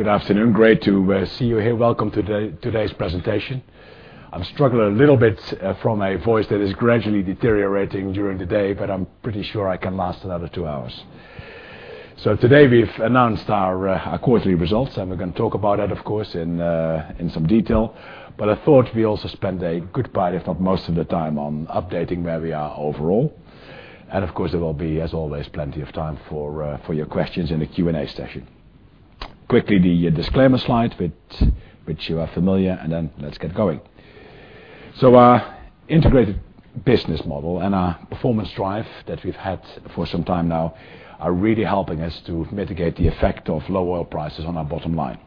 Good afternoon. Great to see you here. Welcome to today's presentation. I'm struggling a little bit from a voice that is gradually deteriorating during the day, but I'm pretty sure I can last another two hours. Today we've announced our quarterly results, we're going to talk about that, of course, in some detail. I thought we also spend a good part, if not most of the time, on updating where we are overall. Of course, there will be, as always, plenty of time for your questions in the Q&A session. Quickly, the disclaimer slide with which you are familiar, then let's get going. Our integrated business model and our performance drive that we've had for some time now are really helping us to mitigate the effect of low oil prices on our bottom line.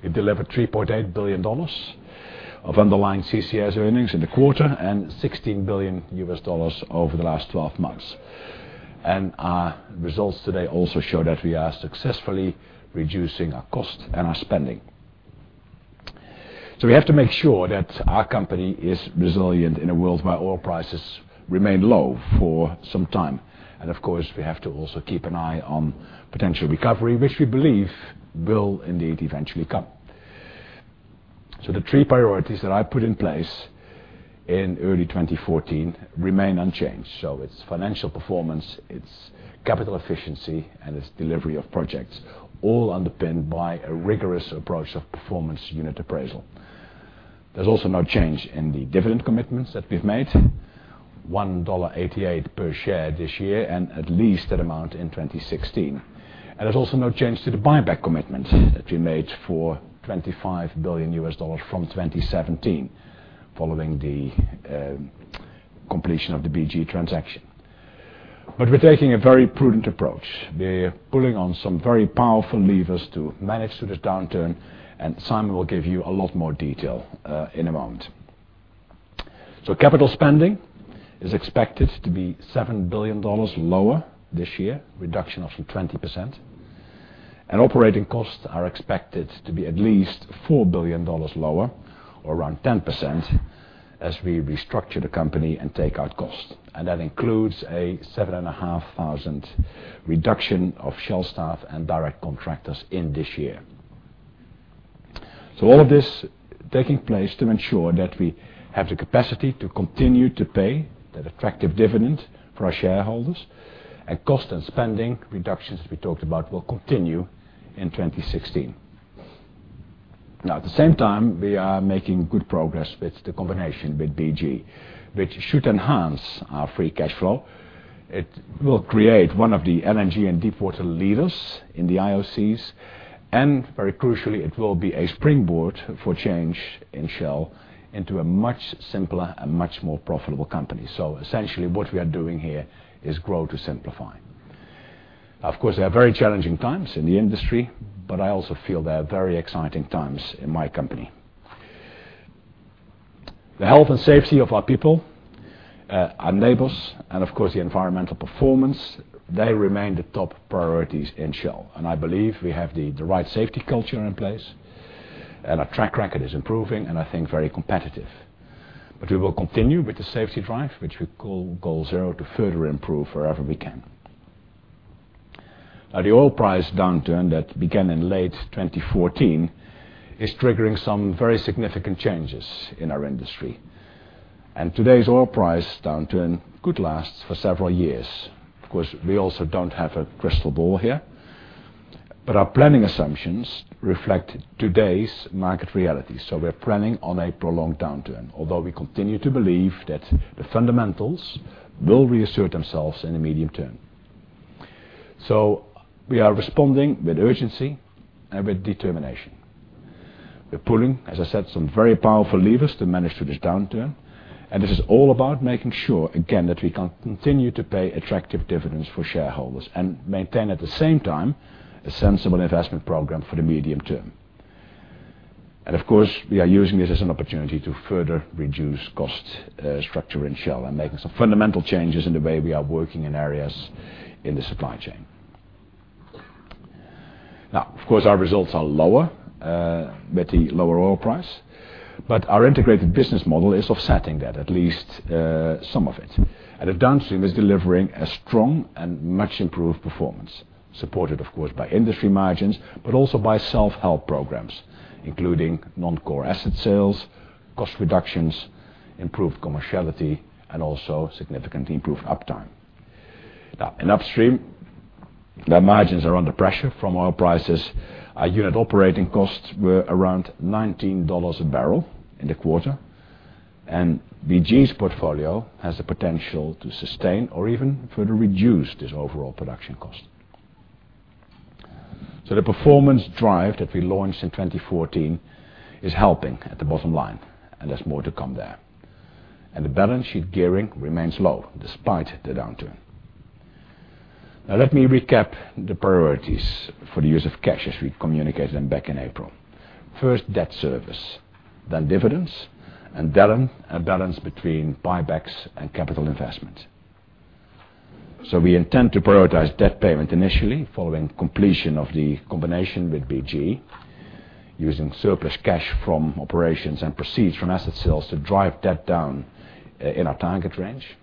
We've delivered $3.8 billion of underlying CCS earnings in the quarter and $16 billion over the last 12 months. Our results today also show that we are successfully reducing our cost and our spending. We have to make sure that our company is resilient in a world where oil prices remain low for some time. Of course, we have to also keep an eye on potential recovery, which we believe will indeed eventually come. The three priorities that I put in place in early 2014 remain unchanged. It's financial performance, it's capital efficiency, and it's delivery of projects, all underpinned by a rigorous approach of performance unit appraisal. There's also no change in the dividend commitments that we've made. $1.88 per share this year and at least that amount in 2016. There's also no change to the buyback commitment that we made for $25 billion from 2017 following the completion of the BG transaction. We're taking a very prudent approach. We're pulling on some very powerful levers to manage through this downturn, and Simon will give you a lot more detail in a moment. Capital spending is expected to be $7 billion lower this year, reduction of 20%. Operating costs are expected to be at least $4 billion lower or around 10% as we restructure the company and take out cost. That includes a 7,500 reduction of Shell staff and direct contractors in this year. All of this taking place to ensure that we have the capacity to continue to pay that attractive dividend for our shareholders, and cost and spending reductions we talked about will continue in 2016. At the same time, we are making good progress with the combination with BG, which should enhance our free cash flow. It will create one of the LNG and deepwater leaders in the IOCs, very crucially, it will be a springboard for change in Shell into a much simpler and much more profitable company. Essentially what we are doing here is grow to simplify. They are very challenging times in the industry, I also feel they are very exciting times in my company. The health and safety of our people, our neighbors, and of course, the environmental performance, they remain the top priorities in Shell. I believe we have the right safety culture in place and our track record is improving and I think very competitive. We will continue with the safety drive, which we call Goal Zero, to further improve wherever we can. The oil price downturn that began in late 2014 is triggering some very significant changes in our industry. Today's oil price downturn could last for several years. Of course, we also don't have a crystal ball here, but our planning assumptions reflect today's market reality. We're planning on a prolonged downturn, although we continue to believe that the fundamentals will reassert themselves in the medium term. We are responding with urgency and with determination. We're pulling, as I said, some very powerful levers to manage through this downturn, and this is all about making sure, again, that we can continue to pay attractive dividends for shareholders and maintain at the same time a sensible investment program for the medium term. Of course, we are using this as an opportunity to further reduce cost structure in Shell and making some fundamental changes in the way we are working in areas in the supply chain. Of course, our results are lower with the lower oil price, but our integrated business model is offsetting that, at least some of it. If Downstream is delivering a strong and much improved performance, supported of course by industry margins, but also by self-help programs, including non-core asset sales, cost reductions, improved commerciality, and also significantly improved uptime. In Upstream, the margins are under pressure from oil prices. Our unit operating costs were around $19 a barrel in the quarter, and BG's portfolio has the potential to sustain or even further reduce this overall production cost. The performance drive that we launched in 2014 is helping at the bottom line, and there's more to come there. The balance sheet gearing remains low despite the downturn. Let me recap the priorities for the use of cash as we communicated them back in April. First, debt service, then dividends, and then a balance between buybacks and capital investment. We intend to prioritize debt payment initially following completion of the combination with BG. Using surplus cash from operations and proceeds from asset sales to drive debt down in our target range.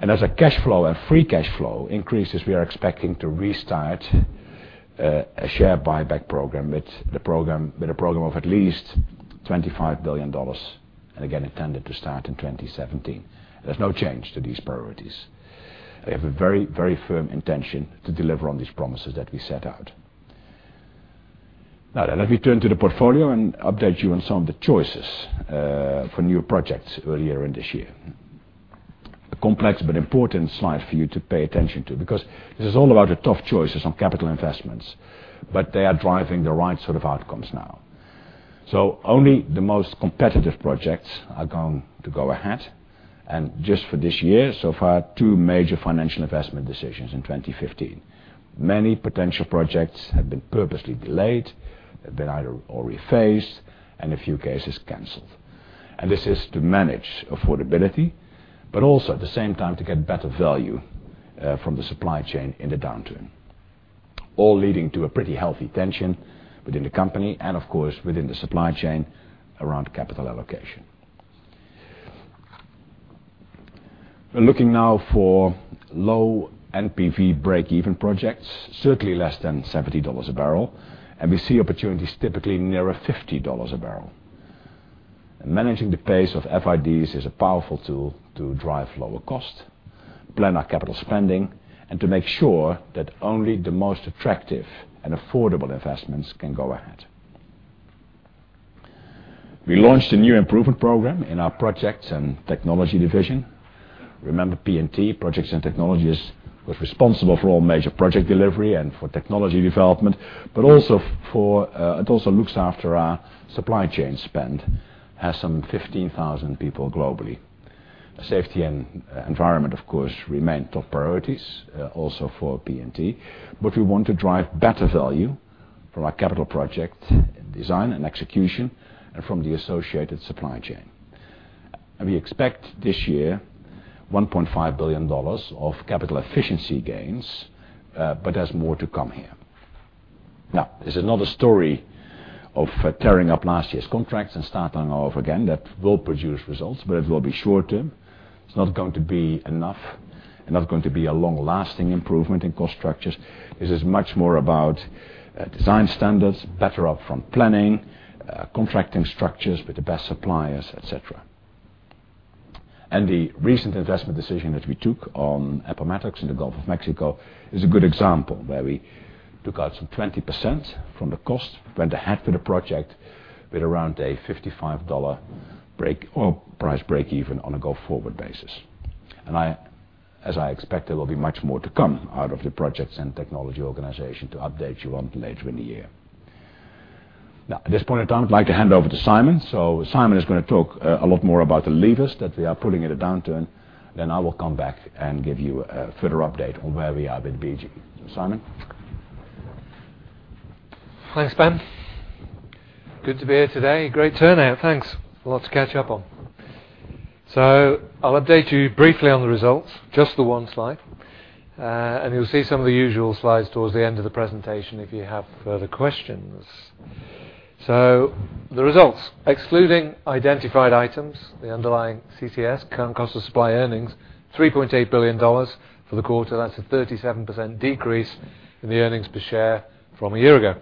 As our cash flow and free cash flow increases, we are expecting to restart a share buyback program with a program of at least $25 billion, and again, intended to start in 2017. There's no change to these priorities. We have a very firm intention to deliver on these promises that we set out. Let me turn to the portfolio and update you on some of the choices for new projects earlier in this year. A complex but important slide for you to pay attention to because this is all about the tough choices on capital investments, but they are driving the right sort of outcomes now. Only the most competitive projects are going to go ahead. Just for this year, so far, two major financial investment decisions in 2015. Many potential projects have been purposely delayed, have been either rephased, and a few cases canceled. This is to manage affordability, but also at the same time to get better value from the supply chain in the downturn. All leading to a pretty healthy tension within the company and of course within the supply chain around capital allocation. We are looking now for low NPV break even projects, certainly less than $70 a barrel, and we see opportunities typically nearer $50 a barrel. Managing the pace of FIDs is a powerful tool to drive lower cost, plan our capital spending, and to make sure that only the most attractive and affordable investments can go ahead. We launched a new improvement program in our Projects and Technology division. Remember P&T, Projects and Technology, was responsible for all major project delivery and for technology development, but it also looks after our supply chain spend. Has some 15,000 people globally. Safety and environment of course remain top priorities also for P&T, but we want to drive better value from our capital project design and execution and from the associated supply chain. We expect this year, $1.5 billion of capital efficiency gains, but there is more to come here. This is not a story of tearing up last year's contracts and starting off again. That will produce results, but it will be short-term. It is not going to be enough and not going to be a long-lasting improvement in cost structures. This is much more about design standards, better up-front planning, contracting structures with the best suppliers, et cetera. The recent investment decision that we took on Appomattox in the Gulf of Mexico is a good example where we took out some 20% from the cost, went ahead with the project with around a $55 price break even on a go-forward basis. As I expect, there will be much more to come out of the Projects and Technology organization to update you on later in the year. At this point in time, I would like to hand over to Simon. Simon is going to talk a lot more about the levers that we are pulling in the downturn, then I will come back and give you a further update on where we are with BG. Simon? Thanks, Ben. Good to be here today. Great turnout, thanks. A lot to catch up on. I will update you briefly on the results, just the one slide. You will see some of the usual slides towards the end of the presentation if you have further questions. The results, excluding identified items, the underlying CCS, current cost of supply earnings, $3.8 billion for the quarter. That is a 37% decrease in the earnings per share from a year ago.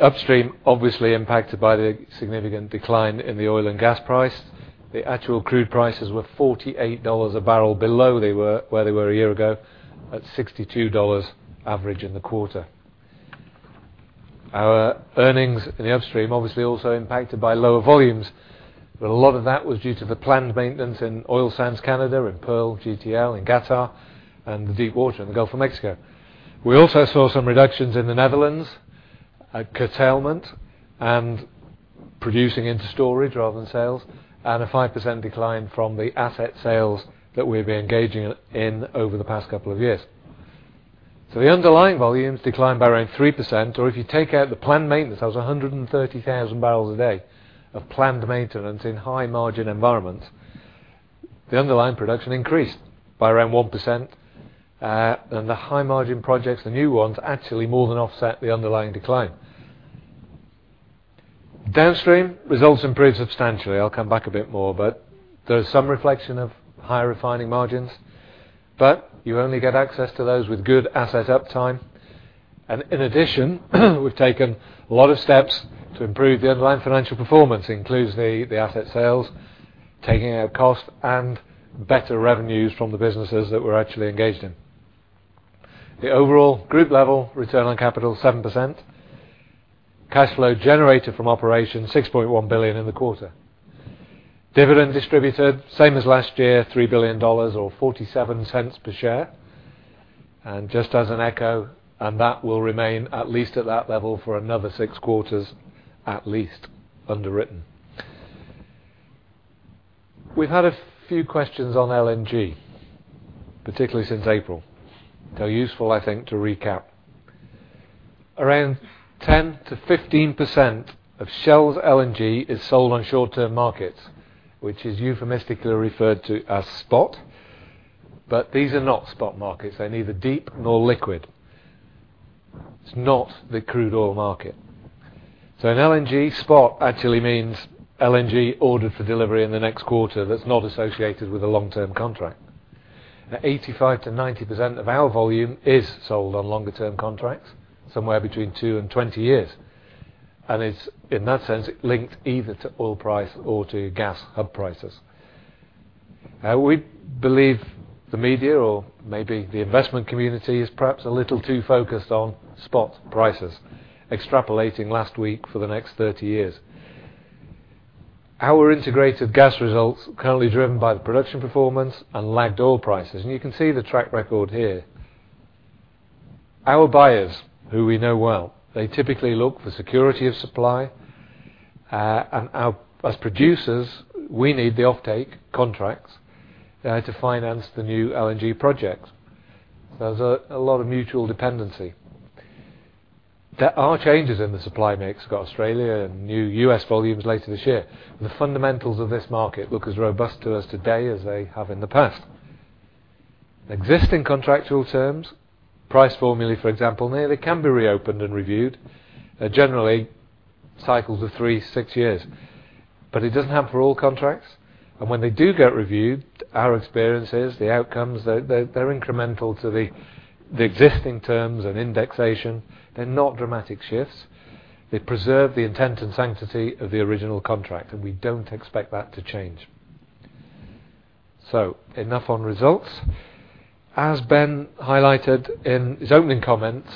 Upstream obviously impacted by the significant decline in the oil and gas price. The actual crude prices were $48 a barrel below where they were a year ago at $62 average in the quarter. Our earnings in the upstream obviously also impacted by lower volumes, but a lot of that was due to the planned maintenance in Oil Sands, Canada, in Pearl GTL in Qatar, and the deepwater in the Gulf of Mexico. We also saw some reductions in the Netherlands, a curtailment and producing into storage rather than sales, and a 5% decline from the asset sales that we've been engaging in over the past couple of years. The underlying volumes declined by around 3%, or if you take out the planned maintenance, that was 130,000 barrels a day of planned maintenance in high-margin environments. The underlying production increased by around 1%, and the high-margin projects, the new ones, actually more than offset the underlying decline. Downstream results improved substantially. I'll come back a bit more, but there is some reflection of higher refining margins, but you only get access to those with good asset uptime. In addition, we've taken a lot of steps to improve the underlying financial performance, includes the asset sales, taking out cost, and better revenues from the businesses that we're actually engaged in. The overall group level return on capital, 7%. Cash flow generated from operations, $6.1 billion in the quarter. Dividend distributed, same as last year, $3 billion or $0.47 per share. Just as an echo, that will remain at least at that level for another six quarters, at least underwritten. We've had a few questions on LNG, particularly since April, so useful, I think, to recap. Around 10%-15% of Shell's LNG is sold on short-term markets, which is euphemistically referred to as spot. These are not spot markets. They're neither deep nor liquid. It's not the crude oil market. In LNG, spot actually means LNG ordered for delivery in the next quarter that's not associated with a long-term contract. 85%-90% of our volume is sold on longer term contracts, somewhere between two and 20 years, and in that sense, it links either to oil price or to gas hub prices. We believe the media or maybe the investment community is perhaps a little too focused on spot prices, extrapolating last week for the next 30 years. Our integrated gas results are currently driven by the production performance and lagged oil prices, and you can see the track record here. Our buyers, who we know well, they typically look for security of supply. As producers, we need the offtake contracts to finance the new LNG projects. There's a lot of mutual dependency. There are changes in the supply mix. You've got Australia and new U.S. volumes later this year, and the fundamentals of this market look as robust to us today as they have in the past. Existing contractual terms, price formulae, for example, they can be reopened and reviewed, generally cycles of three, six years. It doesn't happen for all contracts, and when they do get reviewed, our experience is the outcomes, they're incremental to the existing terms and indexation. They're not dramatic shifts. They preserve the intent and sanctity of the original contract, and we don't expect that to change. Enough on results. As Ben highlighted in his opening comments,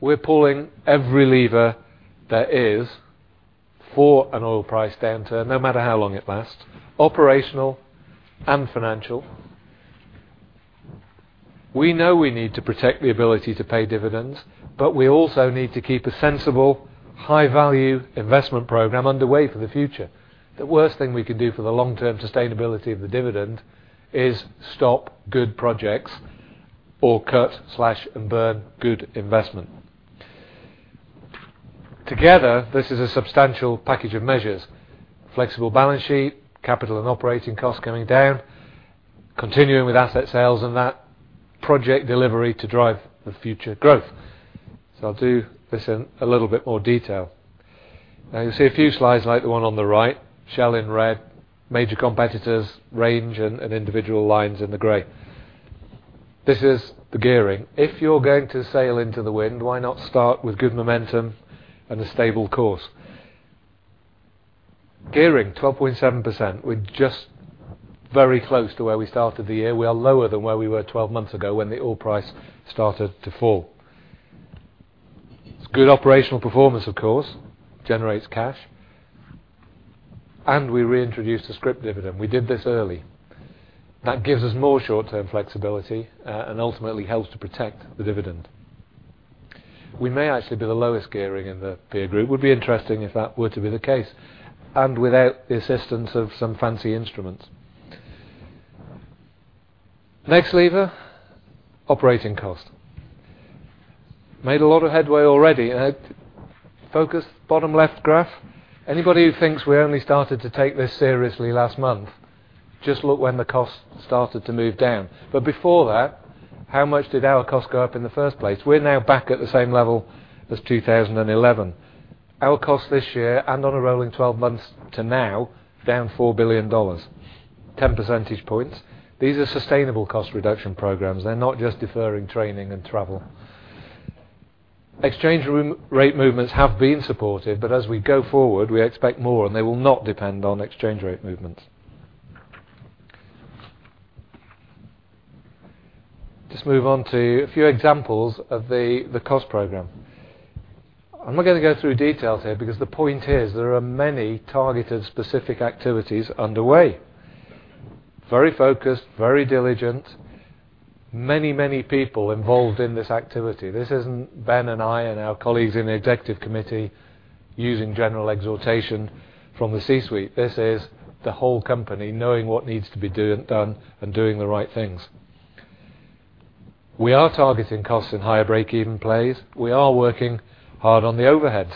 we're pulling every lever there is for an oil price downturn, no matter how long it lasts, operational and financial. We know we need to protect the ability to pay dividends, we also need to keep a sensible, high-value investment program underway for the future. The worst thing we can do for the long-term sustainability of the dividend is stop good projects or cut, slash, and burn good investment. Together, this is a substantial package of measures, flexible balance sheet, capital and operating costs coming down, continuing with asset sales and that project delivery to drive the future growth. I'll do this in a little bit more detail. Now you'll see a few slides like the one on the right, Shell in red, major competitors range in individual lines in the gray. This is the gearing. If you're going to sail into the wind, why not start with good momentum and a stable course? Gearing 12.7%. We're just very close to where we started the year. We are lower than where we were 12 months ago when the oil price started to fall. It's good operational performance, of course. Generates cash. We reintroduced the scrip dividend. We did this early. That gives us more short-term flexibility, and ultimately helps to protect the dividend. We may actually be the lowest gearing in the peer group. Would be interesting if that were to be the case, and without the assistance of some fancy instruments. Next lever, operating cost. Made a lot of headway already. Focus, bottom left graph. Anybody who thinks we only started to take this seriously last month, just look when the cost started to move down. Before that, how much did our cost go up in the first place? We're now back at the same level as 2011. Our cost this year and on a rolling 12 months to now, down $4 billion, 10 percentage points. These are sustainable cost reduction programs. They're not just deferring training and travel. Exchange rate movements have been supported, as we go forward, we expect more, and they will not depend on exchange rate movements. Just move on to a few examples of the cost program. I'm not going to go through details here because the point is there are many targeted, specific activities underway. Very focused, very diligent. Many, many people involved in this activity. This isn't Ben and I and our colleagues in the Executive Committee using general exhortation from the C-suite. This is the whole company knowing what needs to be done and doing the right things. We are targeting costs in higher breakeven plays. We are working hard on the overheads.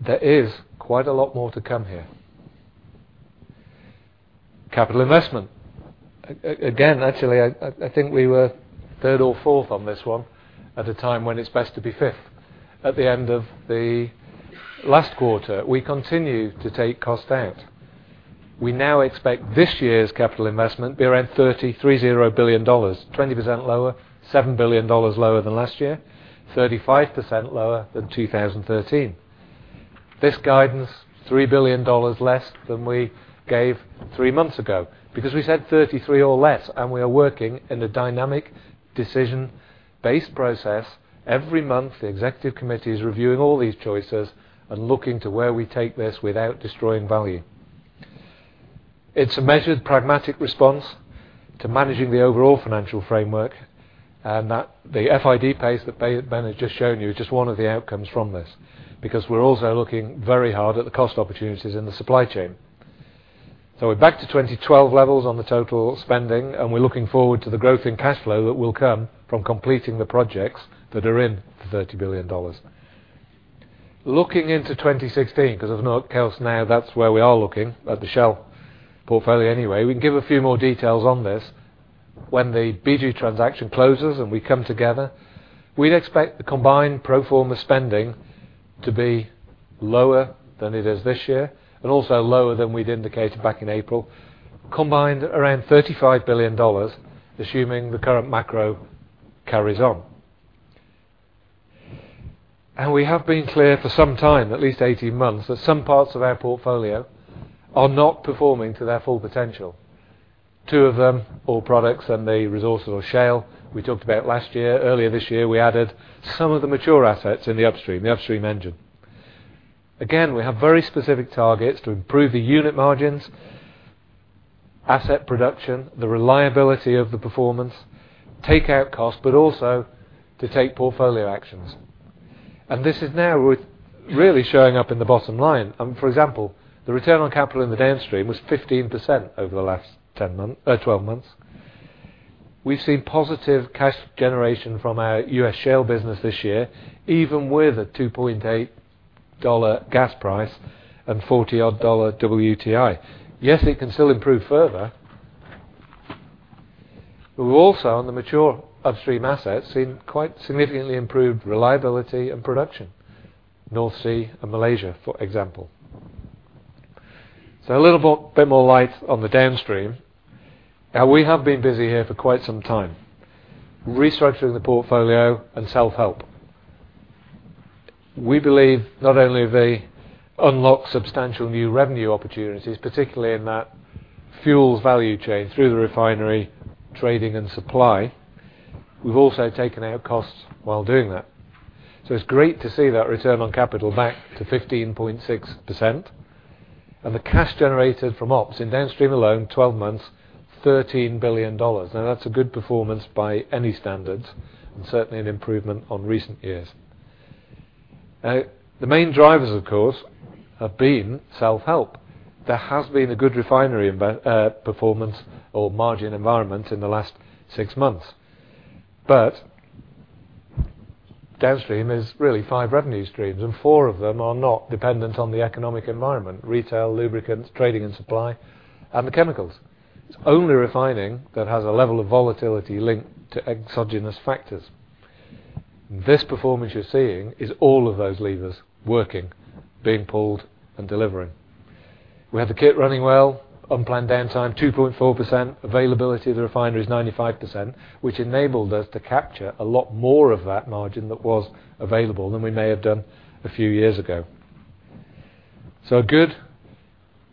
There is quite a lot more to come here. Capital investment. Again, actually, I think we were third or fourth on this one at a time when it's best to be fifth at the end of the last quarter. We continue to take cost out. We now expect this year's capital investment be around $33 billion, 20% lower, $7 billion lower than last year, 35% lower than 2013. This guidance, $3 billion less than we gave three months ago because we said 33 or less, and we are working in a dynamic decision-based process. Every month, the Executive Committee is reviewing all these choices and looking to where we take this without destroying value. It's a measured, pragmatic response to managing the overall financial framework. The FID pace that Ben has just shown you is just one of the outcomes from this because we're also looking very hard at the cost opportunities in the supply chain. So we're back to 2012 levels on the total spending, and we're looking forward to the growth in cash flow that will come from completing the projects that are in the $30 billion. Looking into 2016, because, of course, now that's where we are looking at the Shell portfolio anyway. We can give a few more details on this. When the BG transaction closes and we come together, we'd expect the combined pro forma spending to be lower than it is this year, and also lower than we'd indicated back in April. Combined around $35 billion, assuming the current macro carries on. We have been clear for some time, at least 18 months, that some parts of our portfolio are not performing to their full potential. Two of them, Oil Products and the resources or shale we talked about last year. Earlier this year, we added some of the mature assets in the upstream, the upstream engine. Again, we have very specific targets to improve the unit margins, asset production, the reliability of the performance, take out cost, but also to take portfolio actions. This is now with really showing up in the bottom line. For example, the return on capital in the Downstream was 15% over the last 12 months. We've seen positive cash generation from our U.S. shale business this year, even with a $2.8 gas price and $40 odd WTI. Yes, it can still improve further. We've also, on the mature upstream assets, seen quite significantly improved reliability and production. North Sea and Malaysia, for example. So a little bit more light on the Downstream. Now, we have been busy here for quite some time restructuring the portfolio and self-help. We believe not only have they unlocked substantial new revenue opportunities, particularly in that fuels value chain through the Refinery, Trading and Supply, we've also taken out costs while doing that. So it's great to see that return on capital back to 15.6%, and the cash generated from ops in Downstream alone, 12 months, $13 billion. Now that's a good performance by any standards, and certainly an improvement on recent years. The main drivers, of course, have been self-help. There has been a good refinery performance or margin environment in the last six months. Downstream is really five revenue streams, and four of them are not dependent on the economic environment, Retail, Lubricants, Trading and Supply, and Chemicals. It's only Refining that has a level of volatility linked to exogenous factors. This performance you're seeing is all of those levers working, being pulled, and delivering. We have the kit running well, unplanned downtime 2.4%, availability of the refinery is 95%, which enabled us to capture a lot more of that margin that was available than we may have done a few years ago. So a good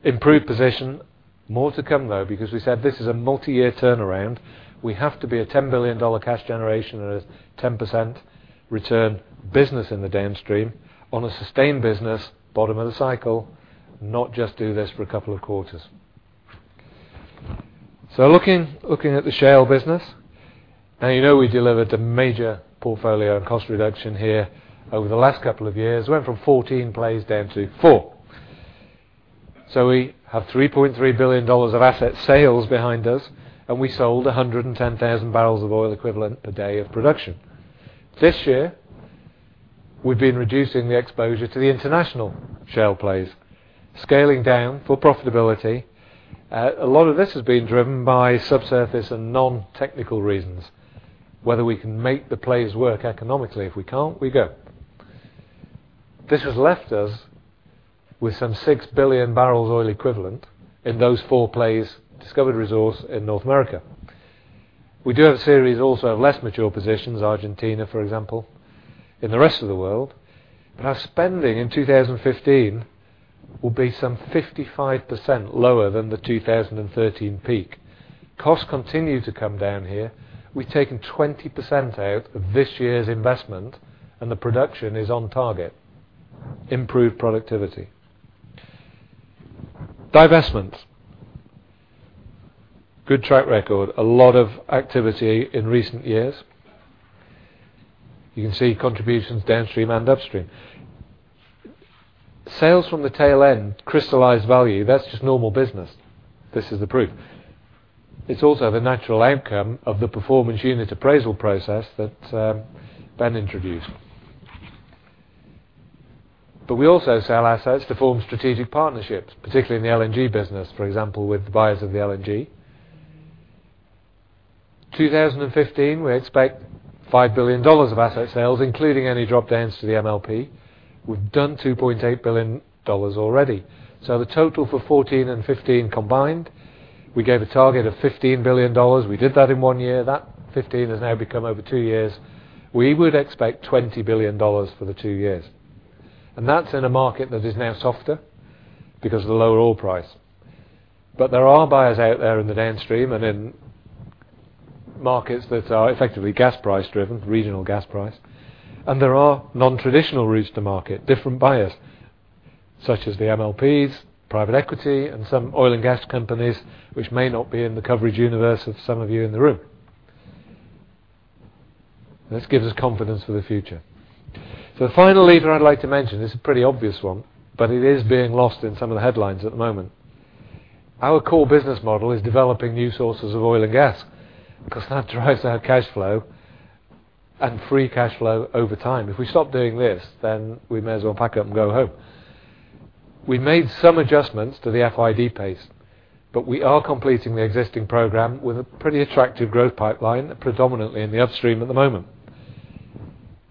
improved position. More to come, though, because we said this is a multi-year turnaround. We have to be a $10 billion cash generation and a 10% return business in the Downstream on a sustained business, bottom of the cycle, not just do this for a couple of quarters. So looking at the shale business. You know we delivered a major portfolio and cost reduction here over the last couple of years. Went from 14 plays down to 4. We have $3.3 billion of asset sales behind us, and we sold 110,000 barrels of oil equivalent a day of production. This year, we've been reducing the exposure to the international shale plays, scaling down for profitability. A lot of this has been driven by subsurface and non-technical reasons, whether we can make the plays work economically. If we can't, we go. This has left us with some 6 billion barrels oil equivalent in those four plays discovered resource in North America. We do have a series also of less mature positions, Argentina, for example, in the rest of the world. Our spending in 2015 will be some 55% lower than the 2013 peak. Costs continue to come down here. We've taken 20% out of this year's investment, the production is on target. Improved productivity. Divestments. Good track record. A lot of activity in recent years. You can see contributions downstream and upstream. Sales from the tail end crystallize value. That's just normal business. This is the proof. It's also the natural outcome of the performance unit appraisal process that Ben introduced. We also sell assets to form strategic partnerships, particularly in the LNG business, for example, with the buyers of the LNG. 2015, we expect $5 billion of asset sales, including any drop downs to the MLP. We've done $2.8 billion already. The total for 2014 and 2015 combined, we gave a target of $15 billion. We did that in one year. That 15 has now become over two years. We would expect $20 billion for the two years. That's in a market that is now softer because of the lower oil price. There are buyers out there in the downstream and in markets that are effectively gas price driven, regional gas price. There are non-traditional routes to market, different buyers, such as the MLPs, private equity, and some oil and gas companies which may not be in the coverage universe of some of you in the room. This gives us confidence for the future. The final lever I'd like to mention is a pretty obvious one, but it is being lost in some of the headlines at the moment. Our core business model is developing new sources of oil and gas because that drives our cash flow and free cash flow over time. If we stop doing this, then we may as well pack up and go home. We made some adjustments to the FID pace, we are completing the existing program with a pretty attractive growth pipeline, predominantly in the upstream at the moment.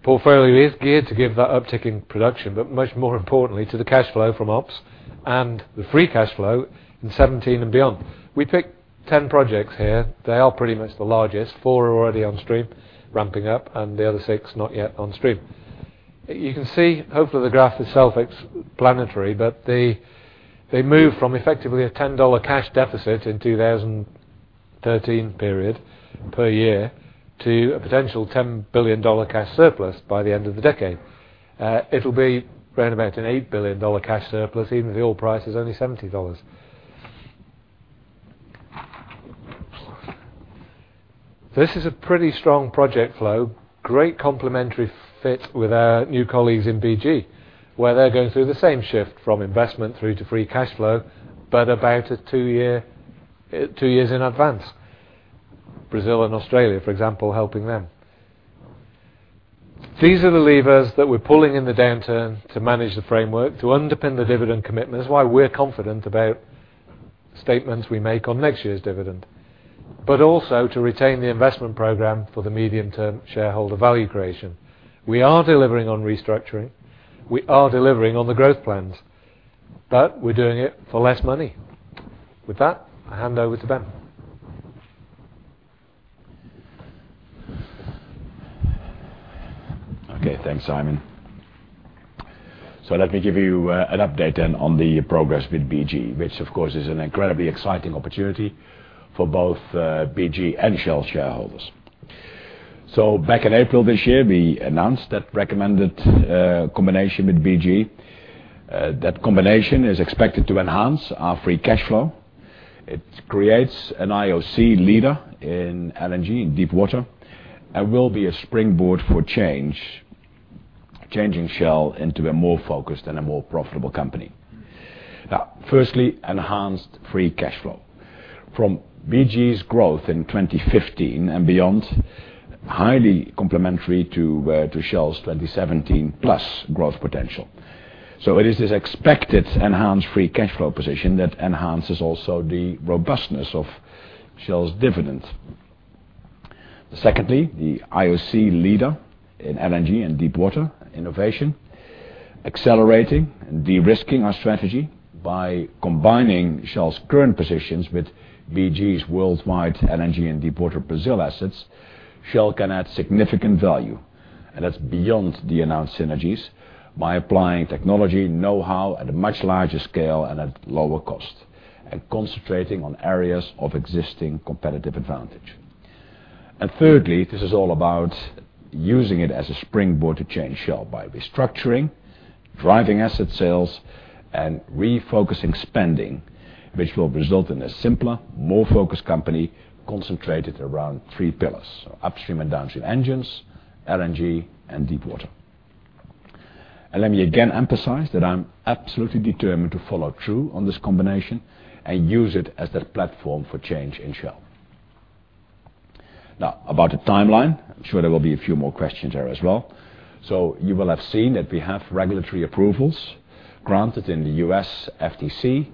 Portfolio is geared to give that upticking production, much more importantly to the cash flow from ops and the free cash flow in 2017 and beyond. We picked 10 projects here. They are pretty much the largest. Four are already onstream ramping up, the other six not yet onstream. You can see hopefully the graph itself is planetary, but they move from effectively a $10 cash deficit in 2013 period per year to a potential $10 billion cash surplus by the end of the decade. It'll be around about an $8 billion cash surplus, even if the oil price is only $70. This is a pretty strong project flow, great complementary fit with our new colleagues in BG, where they're going through the same shift from investment through to free cash flow, but about two years in advance. Brazil and Australia, for example, helping them. These are the levers that we're pulling in the downturn to manage the framework to underpin the dividend commitment. That's why we're confident about statements we make on next year's dividend, but also to retain the investment program for the medium-term shareholder value creation. We are delivering on restructuring, we are delivering on the growth plans, but we're doing it for less money. With that, I hand over to Ben. Okay. Thanks, Simon. Let me give you an update then on the progress with BG, which of course is an incredibly exciting opportunity for both BG and Shell shareholders. Back in April this year, we announced that recommended combination with BG. That combination is expected to enhance our free cash flow. It creates an IOC leader in LNG in deepwater and will be a springboard for change, changing Shell into a more focused and a more profitable company. Firstly, enhanced free cash flow. From BG's growth in 2015 and beyond, highly complementary to Shell's 2017 plus growth potential. It is this expected enhanced free cash flow position that enhances also the robustness of Shell's dividend. Secondly, the IOC leader in LNG and deepwater innovation, accelerating and de-risking our strategy by combining Shell's current positions with BG's worldwide LNG and deepwater Brazil assets, Shell can add significant value, and that's beyond the announced synergies by applying technology know-how at a much larger scale and at lower cost and concentrating on areas of existing competitive advantage. Thirdly, this is all about using it as a springboard to change Shell by restructuring, driving asset sales, and refocusing spending, which will result in a simpler, more focused company concentrated around three pillars, so upstream and downstream engines, LNG, and deepwater. Let me again emphasize that I'm absolutely determined to follow through on this combination and use it as that platform for change in Shell. About the timeline, I'm sure there will be a few more questions there as well. You will have seen that we have regulatory approvals granted in the U.S. FTC,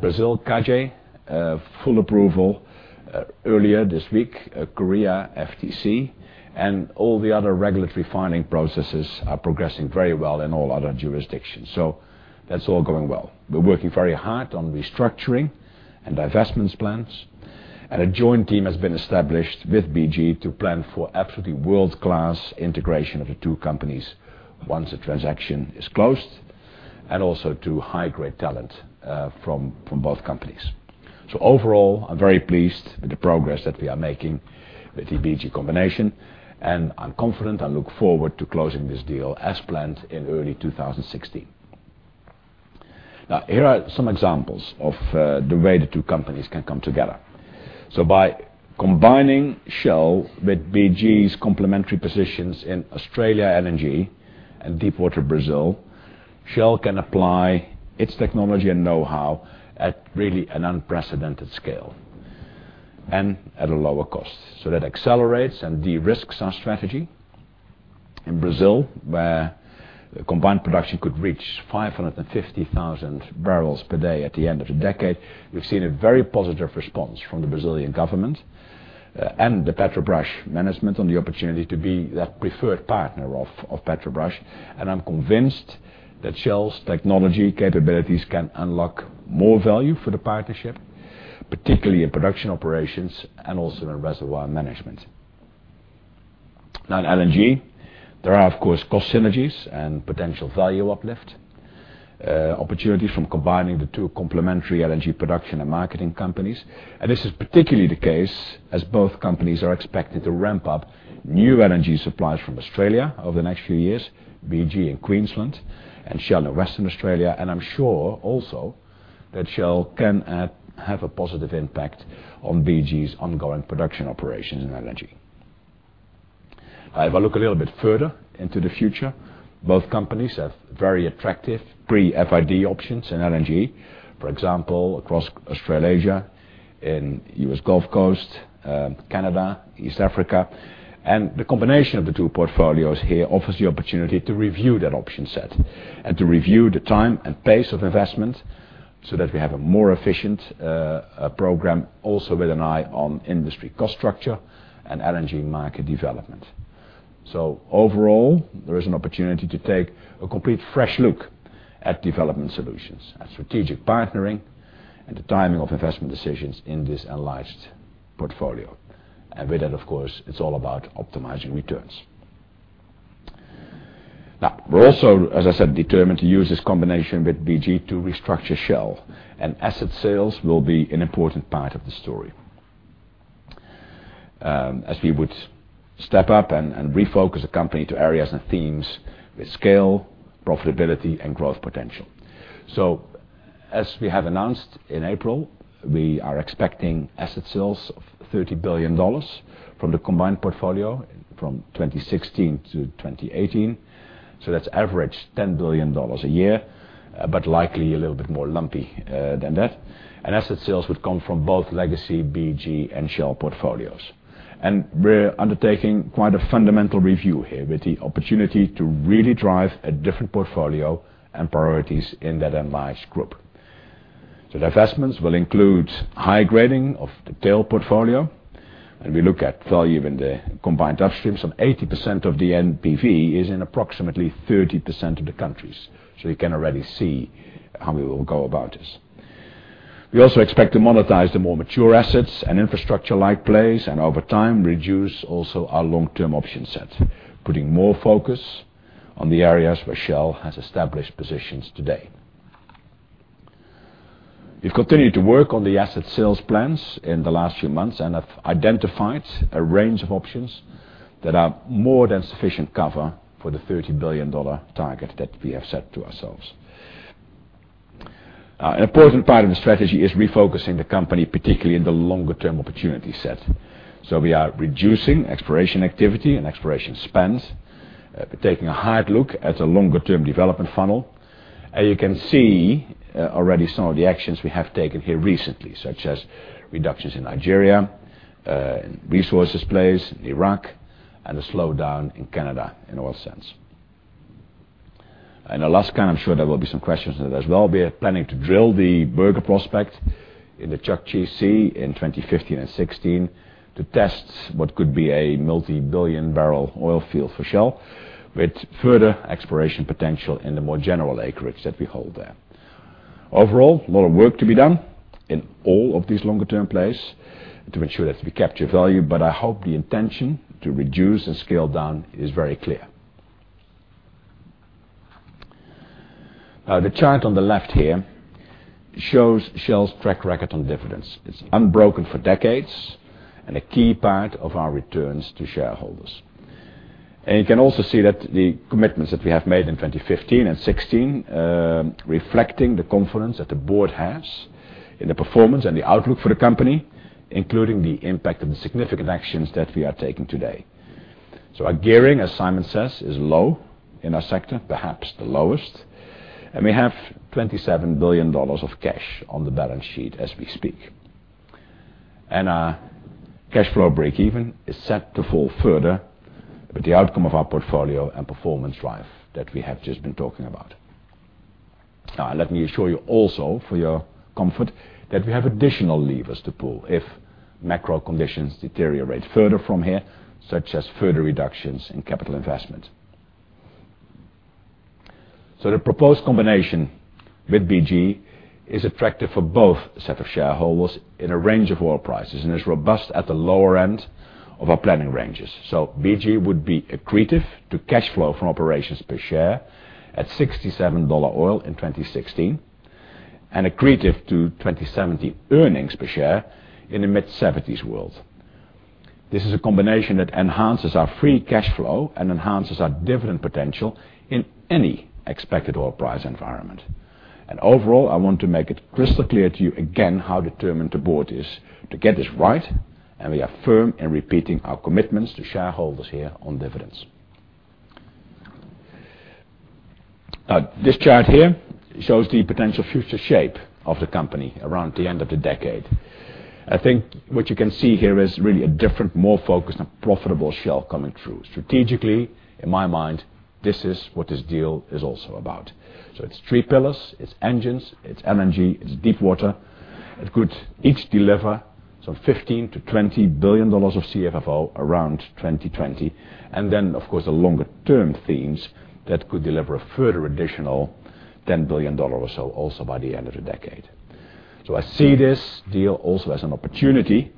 Brazil CADE full approval earlier this week, Korea FTC, and all the other regulatory filing processes are progressing very well in all other jurisdictions. That's all going well. We're working very hard on restructuring and divestments plans, and a joint team has been established with BG to plan for absolutely world-class integration of the two companies once the transaction is closed, and also to high-grade talent from both companies. Overall, I'm very pleased with the progress that we are making with the BG combination, and I'm confident I look forward to closing this deal as planned in early 2016. Here are some examples of the way the two companies can come together. By combining Shell with BG's complementary positions in Australia LNG and deepwater Brazil, Shell can apply its technology and know-how at really an unprecedented scale and at a lower cost. That accelerates and de-risks our strategy. In Brazil, where combined production could reach 550,000 barrels per day at the end of the decade, we've seen a very positive response from the Brazilian government and the Petrobras management on the opportunity to be that preferred partner of Petrobras, and I'm convinced that Shell's technology capabilities can unlock more value for the partnership, particularly in production operations and also in reservoir management. In LNG, there are of course cost synergies and potential value uplift opportunity from combining the two complementary LNG production and marketing companies, and this is particularly the case as both companies are expected to ramp up new LNG supplies from Australia over the next few years, BG in Queensland and Shell in Western Australia, and I'm sure also that Shell can have a positive impact on BG's ongoing production operations and LNG. If I look a little bit further into the future, both companies have very attractive pre-FID options in LNG. For example, across Australasia, in U.S. Gulf Coast, Canada, East Africa. The combination of the two portfolios here offers the opportunity to review that option set and to review the time and pace of investment so that we have a more efficient program also with an eye on industry cost structure and LNG market development. Overall, there is an opportunity to take a complete fresh look at development solutions and strategic partnering and the timing of investment decisions in this allied portfolio. With that, of course, it's all about optimizing returns. We're also, as I said, determined to use this combination with BG to restructure Shell, and asset sales will be an important part of the story. As we would step up and refocus the company to areas and themes with scale, profitability, and growth potential. As we have announced in April, we are expecting asset sales of $30 billion from the combined portfolio from 2016 to 2018. That's average $10 billion a year, but likely a little bit more lumpy than that. Asset sales would come from both legacy BG and Shell portfolios. We're undertaking quite a fundamental review here with the opportunity to really drive a different portfolio and priorities in that allied group. The divestments will include high grading of the tail portfolio, and we look at value in the combined upstream. Some 80% of the NPV is in approximately 30% of the countries. You can already see how we will go about this. We also expect to monetize the more mature assets and infrastructure-like plays, and over time, reduce also our long-term option set, putting more focus on the areas where Shell has established positions today. We've continued to work on the asset sales plans in the last few months and have identified a range of options that are more than sufficient cover for the $30 billion target that we have set to ourselves. An important part of the strategy is refocusing the company, particularly in the longer-term opportunity set. We are reducing exploration activity and exploration spends, taking a hard look at the longer-term development funnel. You can see already some of the actions we have taken here recently, such as reductions in Nigeria, in resources plays in Iraq, and a slowdown in Canada in Oil Sands. In Alaska, I am sure there will be some questions there as well. We are planning to drill the Burger prospect in the Chukchi Sea in 2015 and 2016 to test what could be a multi-billion barrel oil field for Shell, with further exploration potential in the more general acreage that we hold there. Overall, a lot of work to be done in all of these longer-term plays to ensure that we capture value, but I hope the intention to reduce and scale down is very clear. The chart on the left here shows Shell's track record on dividends. It is unbroken for decades and a key part of our returns to shareholders. You can also see that the commitments that we have made in 2015 and 2016 reflecting the confidence that the board has in the performance and the outlook for the company, including the impact of the significant actions that we are taking today. Our gearing, as Simon says, is low in our sector, perhaps the lowest, and we have $27 billion of cash on the balance sheet as we speak. Our cash flow breakeven is set to fall further with the outcome of our portfolio and performance drive that we have just been talking about. Now, let me assure you also for your comfort that we have additional levers to pull if macro conditions deteriorate further from here, such as further reductions in capital investment. The proposed combination with BG is attractive for both sets of shareholders in a range of oil prices and is robust at the lower end of our planning ranges. BG would be accretive to cash flow from operations per share at $67 oil in 2016 and accretive to 2017 earnings per share in a mid-70s world. This is a combination that enhances our free cash flow and enhances our dividend potential in any expected oil price environment. Overall, I want to make it crystal clear to you again how determined the board is to get this right, and we are firm in repeating our commitments to shareholders here on dividends. This chart here shows the potential future shape of the company around the end of the decade. I think what you can see here is really a different, more focused, and profitable Shell coming through. Strategically, in my mind, this is what this deal is also about. It is three pillars. It is engines, it is LNG, it is deep water. It could each deliver some $15 billion-$20 billion of CFFO around 2020. Then, of course, the longer-term themes that could deliver a further additional $10 billion or so also by the end of the decade. I see this deal also as an opportunity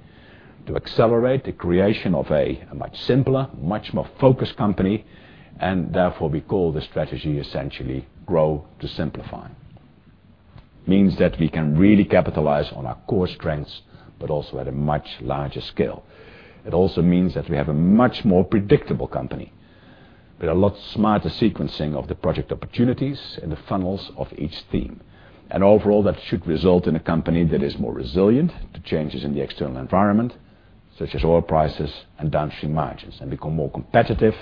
to accelerate the creation of a much simpler, much more focused company, and therefore, we call this strategy essentially grow to simplify. Means that we can really capitalize on our core strengths, but also at a much larger scale. It also means that we have a much more predictable company With a lot smarter sequencing of the project opportunities in the funnels of each theme. Overall, that should result in a company that is more resilient to changes in the external environment, such as oil prices and downstream margins, and become more competitive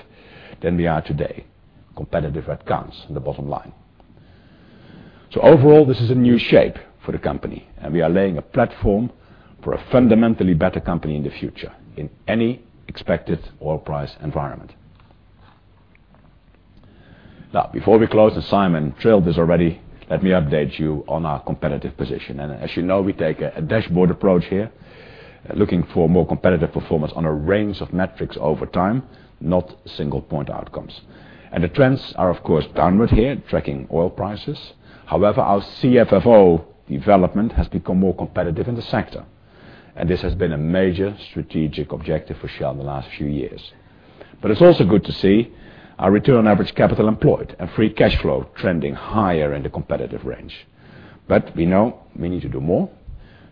than we are today, competitive accounts in the bottom line. This is a new shape for the company, and we are laying a platform for a fundamentally better company in the future in any expected oil price environment. Before we close, Simon trailed this already, let me update you on our competitive position. As you know, we take a dashboard approach here, looking for more competitive performance on a range of metrics over time, not single point outcomes. The trends are, of course, downward here, tracking oil prices. However, our CFFO development has become more competitive in the sector, and this has been a major strategic objective for Shell in the last few years. It's also good to see our return on average capital employed and free cash flow trending higher in the competitive range. We know we need to do more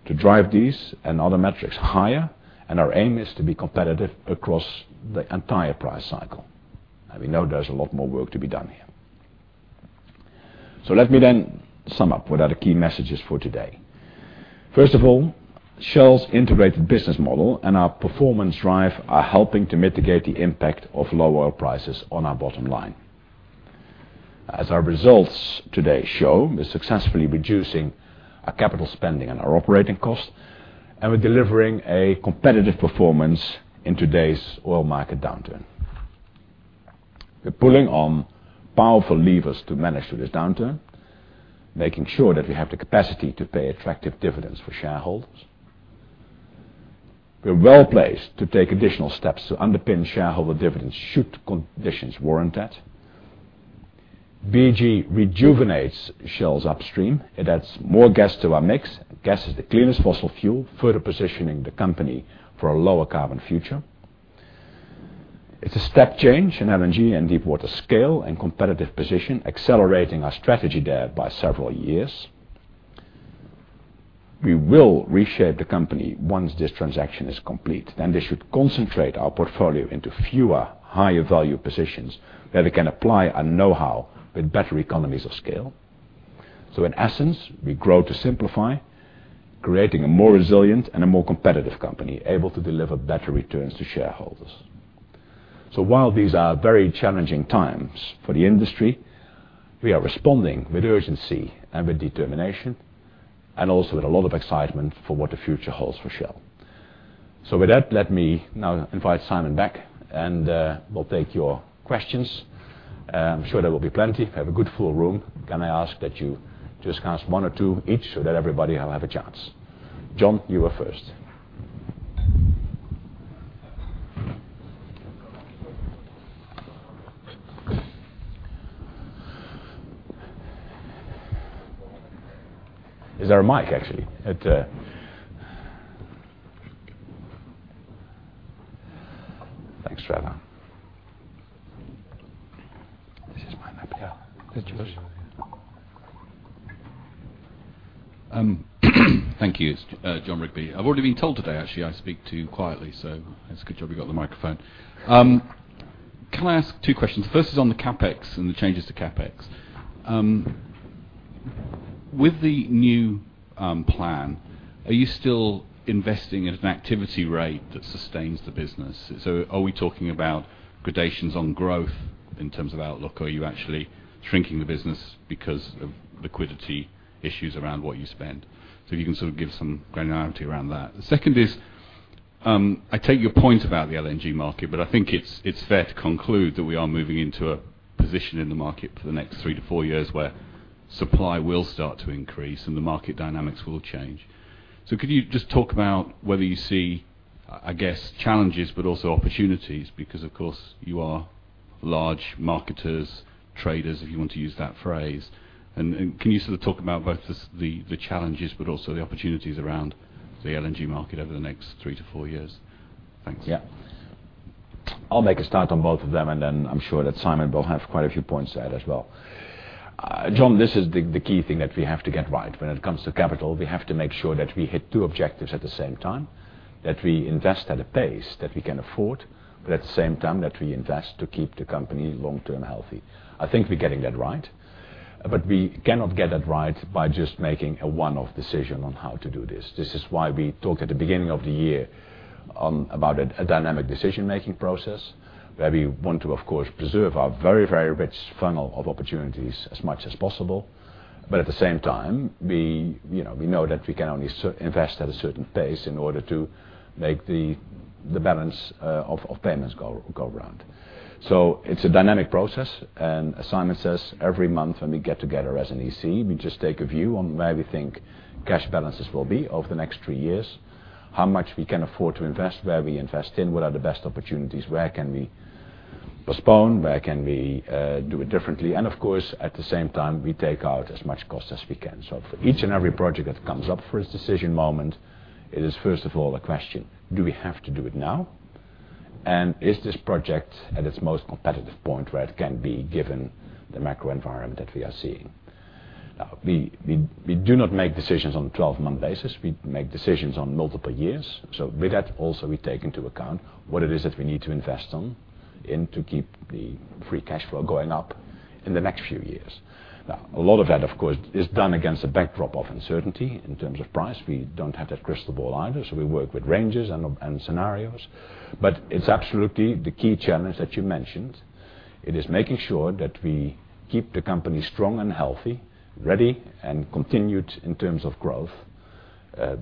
to drive these and other metrics higher, and our aim is to be competitive across the entire price cycle. We know there's a lot more work to be done here. Let me sum up what are the key messages for today. First of all, Shell's integrated business model and our performance drive are helping to mitigate the impact of low oil prices on our bottom line. As our results today show, we're successfully reducing our capital spending and our operating cost, and we're delivering a competitive performance in today's oil market downturn. We're pulling on powerful levers to manage through this downturn, making sure that we have the capacity to pay attractive dividends for shareholders. We're well-placed to take additional steps to underpin shareholder dividends should conditions warrant that. BG rejuvenates Shell's upstream. It adds more gas to our mix. Gas is the cleanest fossil fuel, further positioning the company for a lower carbon future. It's a step change in LNG and deepwater scale and competitive position, accelerating our strategy there by several years. We will reshare the company once this transaction is complete. This should concentrate our portfolio into fewer higher value positions where we can apply our know-how with better economies of scale. In essence, we grow to simplify, creating a more resilient and a more competitive company able to deliver better returns to shareholders. While these are very challenging times for the industry, we are responding with urgency and with determination, and also with a lot of excitement for what the future holds for Shell. With that, let me now invite Simon back and we'll take your questions. I'm sure there will be plenty. I have a good full room. Can I ask that you just ask one or two each so that everybody will have a chance? Jon, you are first. Is there a mic, actually? Thanks, Trevor. This is mine now. Yeah. It's yours. Thank you. It's Jon Rigby. I've already been told today, actually, I speak too quietly, so it's a good job you got the microphone. Can I ask two questions? The first is on the CapEx and the changes to CapEx. With the new plan, are you still investing at an activity rate that sustains the business? Are we talking about gradations on growth in terms of outlook, or are you actually shrinking the business because of liquidity issues around what you spend? If you can sort of give some granularity around that. The second is, I take your point about the LNG market, I think it's fair to conclude that we are moving into a position in the market for the next three to four years where supply will start to increase and the market dynamics will change. Could you just talk about whether you see, I guess, challenges but also opportunities because, of course, you are large marketers, traders, if you want to use that phrase. Can you sort of talk about both the challenges but also the opportunities around the LNG market over the next three to four years? Thanks. Yeah. I'll make a start on both of them, and then I'm sure that Simon will have quite a few points to add as well. Jon, this is the key thing that we have to get right when it comes to capital. We have to make sure that we hit two objectives at the same time, that we invest at a pace that we can afford, at the same time that we invest to keep the company long-term healthy. I think we're getting that right, we cannot get that right by just making a one-off decision on how to do this. This is why we talk at the beginning of the year about a dynamic decision-making process where we want to, of course, preserve our very, very rich funnel of opportunities as much as possible. At the same time, we know that we can only invest at a certain pace in order to make the balance of payments go around. It's a dynamic process, and as Simon says, every month when we get together as an EC, we just take a view on where we think cash balances will be over the next three years, how much we can afford to invest, where we invest in, what are the best opportunities, where can we postpone, where can we do it differently. Of course, at the same time, we take out as much cost as we can. For each and every project that comes up for its decision moment, it is first of all a question, do we have to do it now? Is this project at its most competitive point where it can be given the macro environment that we are seeing? We do not make decisions on a 12-month basis. We make decisions on multiple years. With that, also, we take into account what it is that we need to invest in to keep the free cash flow going up in the next few years. A lot of that, of course, is done against a backdrop of uncertainty in terms of price. We don't have that crystal ball either, so we work with ranges and scenarios. It's absolutely the key challenge that you mentioned. It is making sure that we keep the company strong and healthy, ready, and continued in terms of growth,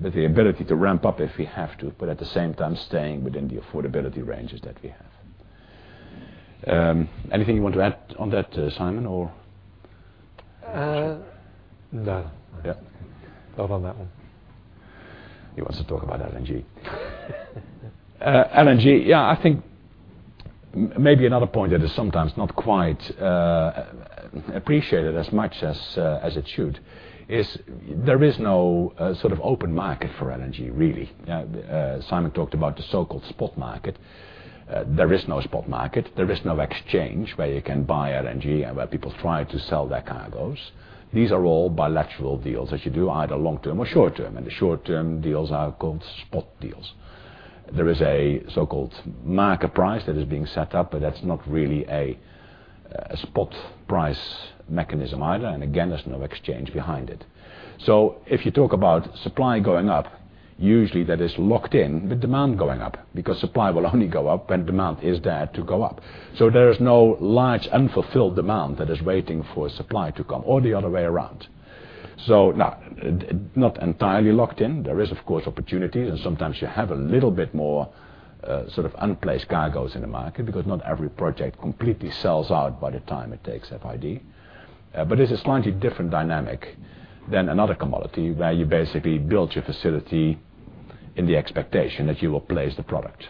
with the ability to ramp up if we have to, but at the same time, staying within the affordability ranges that we have. Anything you want to add on that, Simon? No. Yeah. Not on that one. He wants to talk about LNG. LNG, yeah, I think maybe another point that is sometimes not quite appreciated as much as it should is there is no sort of open market for LNG, really. Simon talked about the so-called spot market. There is no spot market. There is no exchange where you can buy LNG and where people try to sell their cargoes. These are all bilateral deals that you do either long-term or short-term, and the short-term deals are called spot deals. There is a so-called market price that is being set up, but that's not really a spot price mechanism either. Again, there's no exchange behind it. If you talk about supply going up, usually that is locked in with demand going up because supply will only go up when demand is there to go up. There is no large unfulfilled demand that is waiting for supply to come, or the other way around. Now, not entirely locked in. There is, of course, opportunities, and sometimes you have a little bit more sort of unplaced cargoes in the market because not every project completely sells out by the time it takes FID. It's a slightly different dynamic than another commodity where you basically build your facility in the expectation that you will place the product.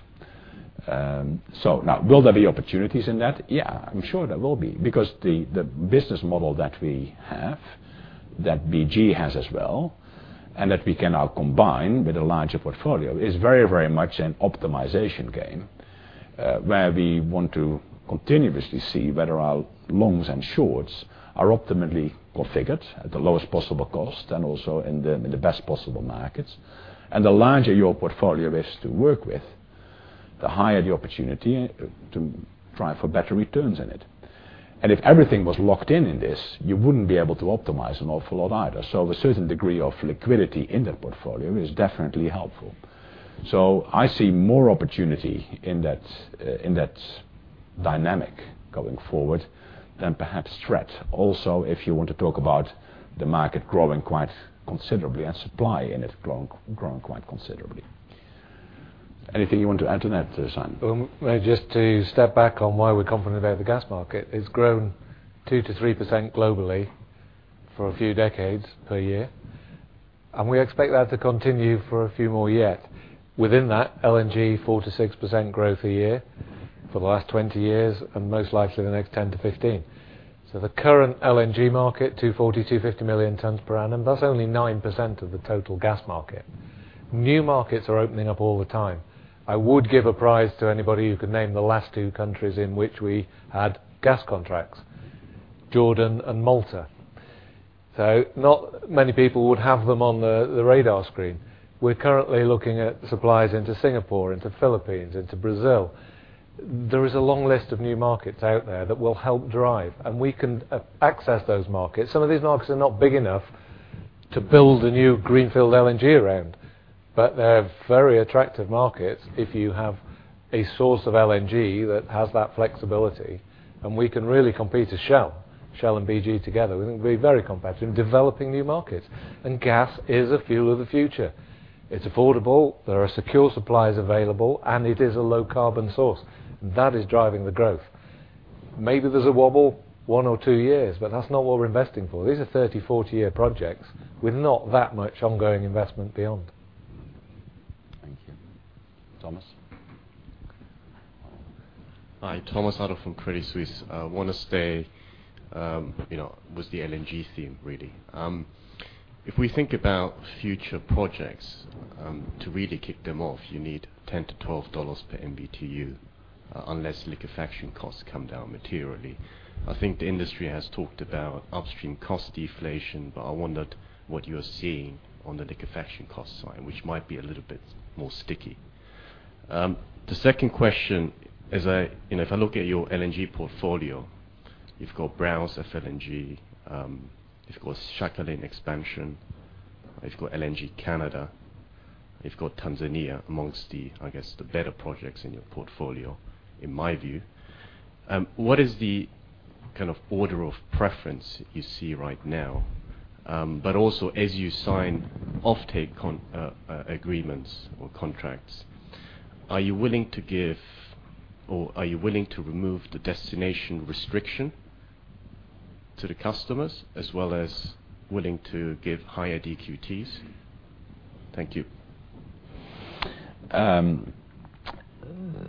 Now, will there be opportunities in that? Yeah, I'm sure there will be because the business model that we have, that BG has as well, and that we can now combine with a larger portfolio is very much an optimization game where we want to continuously see whether our longs and shorts are optimally configured at the lowest possible cost and also in the best possible markets. The larger your portfolio is to work with, the higher the opportunity to try for better returns in it. If everything was locked in in this, you wouldn't be able to optimize an awful lot either. A certain degree of liquidity in that portfolio is definitely helpful. I see more opportunity in that dynamic going forward than perhaps threat. Also, if you want to talk about the market growing quite considerably and supply in it growing quite considerably. Anything you want to add to that, Simon? Well, just to step back on why we're confident about the gas market. It's grown 2%-3% globally for a few decades per year, we expect that to continue for a few more yet. Within that, LNG, 4%-6% growth a year for the last 20 years and most likely the next 10 to 15. The current LNG market, 240, 250 million tons per annum, that's only 9% of the total gas market. New markets are opening up all the time. I would give a prize to anybody who could name the last two countries in which we had gas contracts, Jordan and Malta. Not many people would have them on the radar screen. We're currently looking at supplies into Singapore, into Philippines, into Brazil. There is a long list of new markets out there that will help drive, we can access those markets. Some of these markets are not big enough to build a new greenfield LNG around, but they're very attractive markets if you have a source of LNG that has that flexibility. We can really compete as Shell. Shell and BG together, we can be very competitive in developing new markets. Gas is a fuel of the future. It's affordable, there are secure supplies available, and it is a low carbon source. That is driving the growth. Maybe there's a wobble one or two years, but that's not what we're investing for. These are 30, 40-year projects with not that much ongoing investment beyond. Thank you. Thomas? Hi, Thomas Adolff from Credit Suisse. I want to stay with the LNG theme, really. If we think about future projects, to really kick them off, you need $10-$12 per MMBtu, unless liquefaction costs come down materially. I think the industry has talked about upstream cost deflation, but I wondered what you are seeing on the liquefaction cost side, which might be a little bit more sticky. The second question is, if I look at your LNG portfolio, you've got Browse FLNG, you've got Sakhalin expansion, you've got LNG Canada, you've got Tanzania amongst the better projects in your portfolio, in my view. What is the kind of order of preference you see right now? Also, as you sign offtake agreements or contracts, are you willing to give or are you willing to remove the destination restriction to the customers as well as willing to give higher DUCs? Thank you.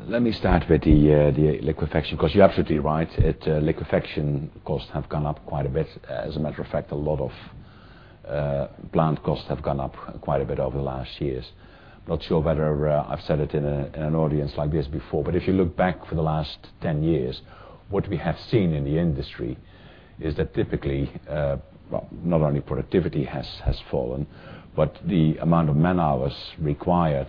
Let me start with the liquefaction because you are absolutely right. Liquefaction costs have gone up quite a bit. As a matter of fact, a lot of Plant costs have gone up quite a bit over the last years. Not sure whether I have said it in an audience like this before, but if you look back for the last 10 years, what we have seen in the industry is that typically not only productivity has fallen, but the amount of man-hours required,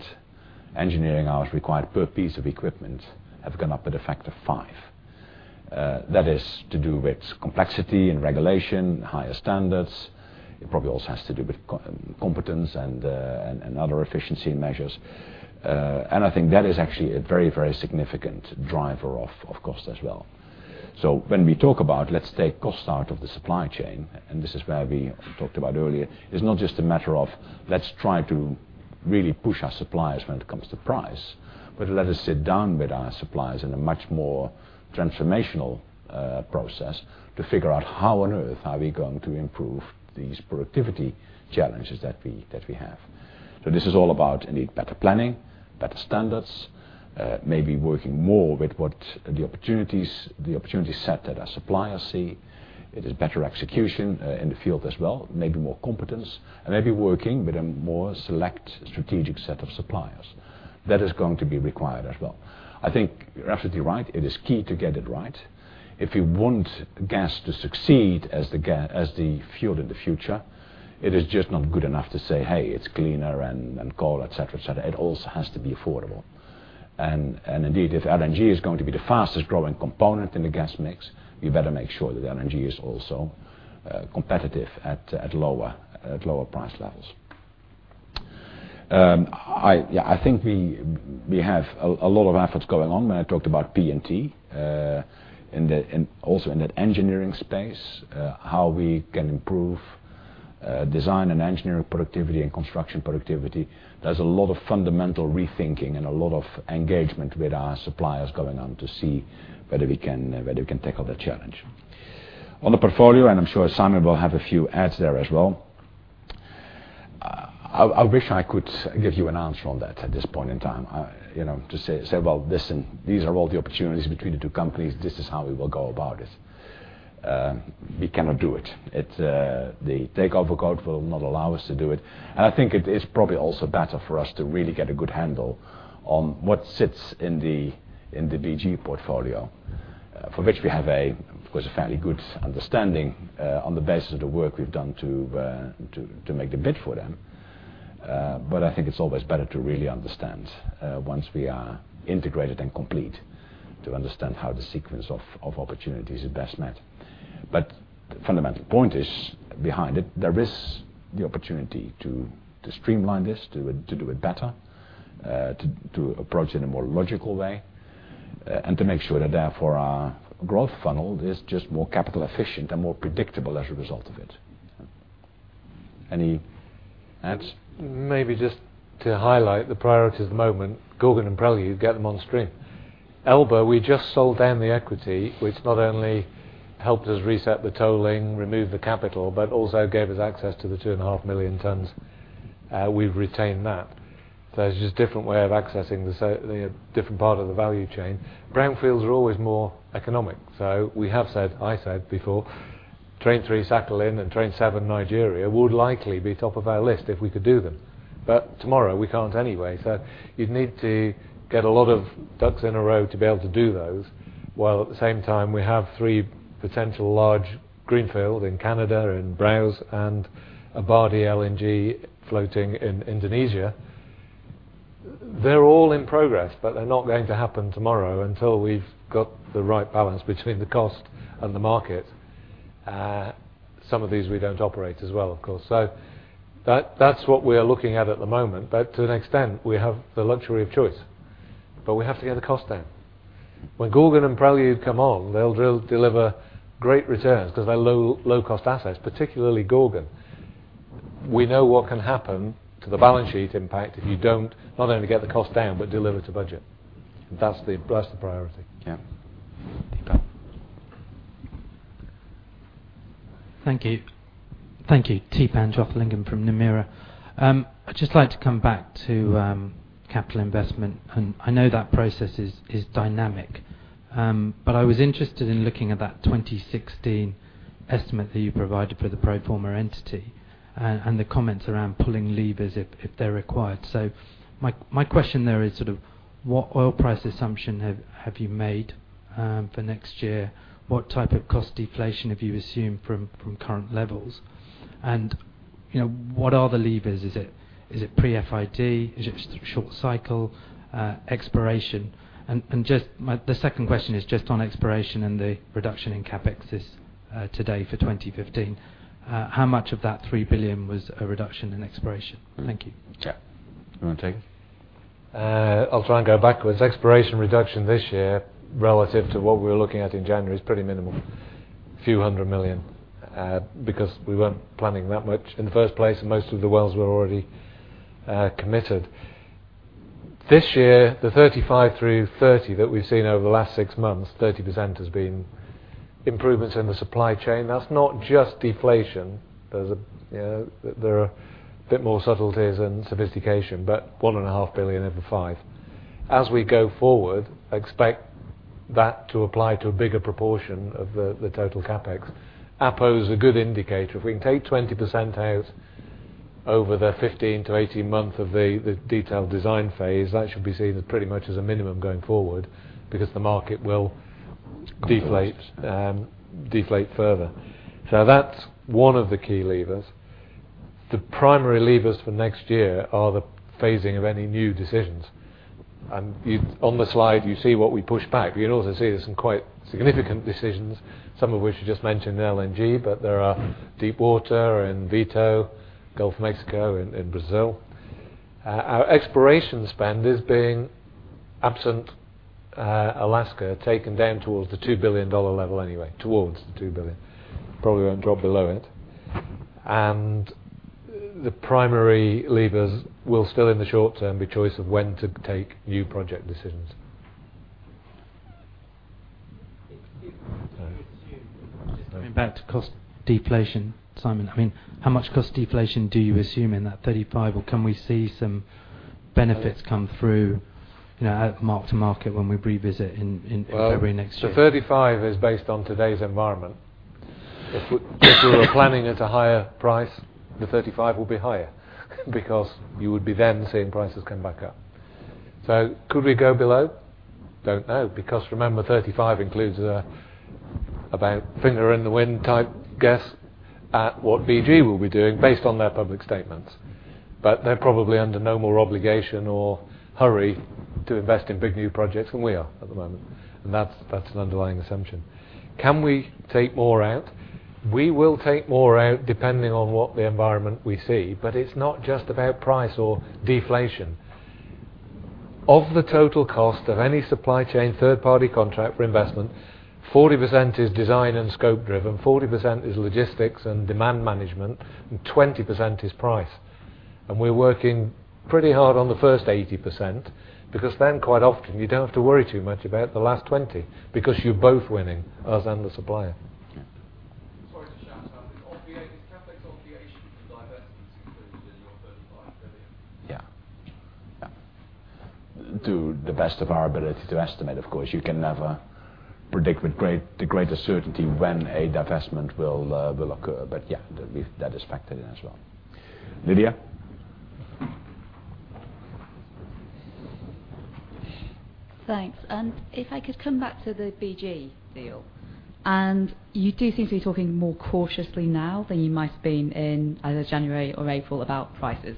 engineering hours required per piece of equipment, have gone up at a factor of five. That is to do with complexity and regulation, higher standards. It probably also has to do with competence and other efficiency measures. I think that is actually a very significant driver of cost as well. When we talk about let's take cost out of the supply chain, and this is where we talked about earlier, it is not just a matter of let's try to really push our suppliers when it comes to price, but let us sit down with our suppliers in a much more transformational process to figure out how on earth are we going to improve these productivity challenges that we have. This is all about indeed better planning, better standards, maybe working more with what the opportunities set that our suppliers see. It is better execution in the field as well, maybe more competence, and maybe working with a more select strategic set of suppliers. That is going to be required as well. I think you are absolutely right. It is key to get it right. If we want gas to succeed as the fuel of the future, it is just not good enough to say, "Hey, it's cleaner than coal," et cetera. It also has to be affordable. Indeed, if LNG is going to be the fastest-growing component in the gas mix, we better make sure that LNG is also competitive at lower price levels. I think we have a lot of efforts going on when I talked about P&T. Also in that engineering space, how we can improve design and engineering productivity and construction productivity. There is a lot of fundamental rethinking and a lot of engagement with our suppliers going on to see whether we can tackle the challenge. On the portfolio, I am sure Simon will have a few adds there as well. I wish I could give you an answer on that at this point in time, to say, "Well, listen, these are all the opportunities between the two companies. This is how we will go about it." We cannot do it. The takeover code will not allow us to do it. I think it is probably also better for us to really get a good handle on what sits in the BG portfolio, for which we have of course, a fairly good understanding, on the basis of the work we have done to make the bid for them. I think it is always better to really understand, once we are integrated and complete, to understand how the sequence of opportunities is best met. The fundamental point is behind it, there is the opportunity to streamline this, to do it better, to approach in a more logical way, and to make sure that therefore our growth funnel is just more capital efficient and more predictable as a result of it. Any adds? Maybe just to highlight the priorities at the moment, Gorgon and Prelude, get them on stream. Elba, we just sold down the equity, which not only helped us reset the tolling, remove the capital, but also gave us access to the two and a half million tons. We've retained that. It's just different way of accessing the different part of the value chain. Brownfields are always more economic. We have said, I said before, Train 3 Sakhalin and Train 7 Nigeria would likely be top of our list if we could do them. Tomorrow we can't anyway, you'd need to get a lot of ducks in a row to be able to do those, while at the same time we have three potential large greenfield in Canada, in Browse, and Abadi LNG floating in Indonesia. They're all in progress, but they're not going to happen tomorrow until we've got the right balance between the cost and the market. Some of these we don't operate as well, of course. That's what we are looking at at the moment. To an extent, we have the luxury of choice. We have to get the cost down. When Gorgon and Prelude come on, they'll deliver great returns because they're low cost assets, particularly Gorgon. We know what can happen to the balance sheet impact if you don't not only get the cost down, but deliver to budget. That's the priority. Yeah. Theepan. Thank you. Theepan Jothilingam from Nomura. I'd just like to come back to capital investment. I know that process is dynamic. I was interested in looking at that 2016 estimate that you provided for the pro forma entity, and the comments around pulling levers if they're required. My question there is sort of what oil price assumption have you made for next year? What type of cost deflation have you assumed from current levels? What are the levers? Is it pre-FID? Is it short cycle exploration? The second question is just on exploration and the reduction in CapEx is today for 2015. How much of that $3 billion was a reduction in exploration? Thank you. Yeah. You want to take it? I'll try and go backwards. Exploration reduction this year relative to what we were looking at in January is pretty minimal. Few hundred million, because we weren't planning that much in the first place, and most of the wells were already committed. This year, the 35%-30% that we've seen over the last six months, 30% has been improvements in the supply chain. That's not just deflation. There are a bit more subtleties and sophistication. $1.5 billion over 5. As we go forward, expect that to apply to a bigger proportion of the total CapEx. Appomattox is a good indicator. If we can take 20% out over the 15-18 month of the detailed design phase, that should be seen as pretty much as a minimum going forward because the market will deflate. Deflate deflate further. That's one of the key levers. The primary levers for next year are the phasing of any new decisions. On the slide, you see what we pushed back. You can also see there's some quite significant decisions, some of which you just mentioned, LNG. There are deep water in Vito, Gulf of Mexico in Brazil. Our exploration spend is being, absent Alaska, taken down towards the $2 billion level anyway. Towards the $2 billion. Probably won't drop below it. The primary levers will still, in the short term, be choice of when to take new project decisions. So- Going back to cost deflation, Simon, how much cost deflation do you assume in that $35 billion, or can we see some benefits come through at mark to market when we revisit in February next year? Well, the $35 billion is based on today's environment. If we were planning at a higher price, the $35 billion will be higher because you would be then seeing prices come back up. Could we go below? Don't know, because remember, $35 billion includes about finger in the wind type guess at what BG will be doing based on their public statements. They're probably under no more obligation or hurry to invest in big new projects than we are at the moment, and that's an underlying assumption. Can we take more out? We will take more out depending on what the environment we see, it's not just about price or deflation. Of the total cost of any supply chain third party contract for investment, 40% is design and scope driven, 40% is logistics and demand management, and 20% is price. We're working pretty hard on the first 80%, because then quite often you don't have to worry too much about the last 20 because you're both winning, us and the supplier. Yeah. Sorry to shout out. Is CapEx obligation for divestments included in your $35 billion? Yeah. To the best of our ability to estimate, of course. You can never predict with the greatest certainty when a divestment will occur. Yeah, that is factored in as well. Lydia? Thanks. If I could come back to the BG deal, you do seem to be talking more cautiously now than you might've been in either January or April about prices.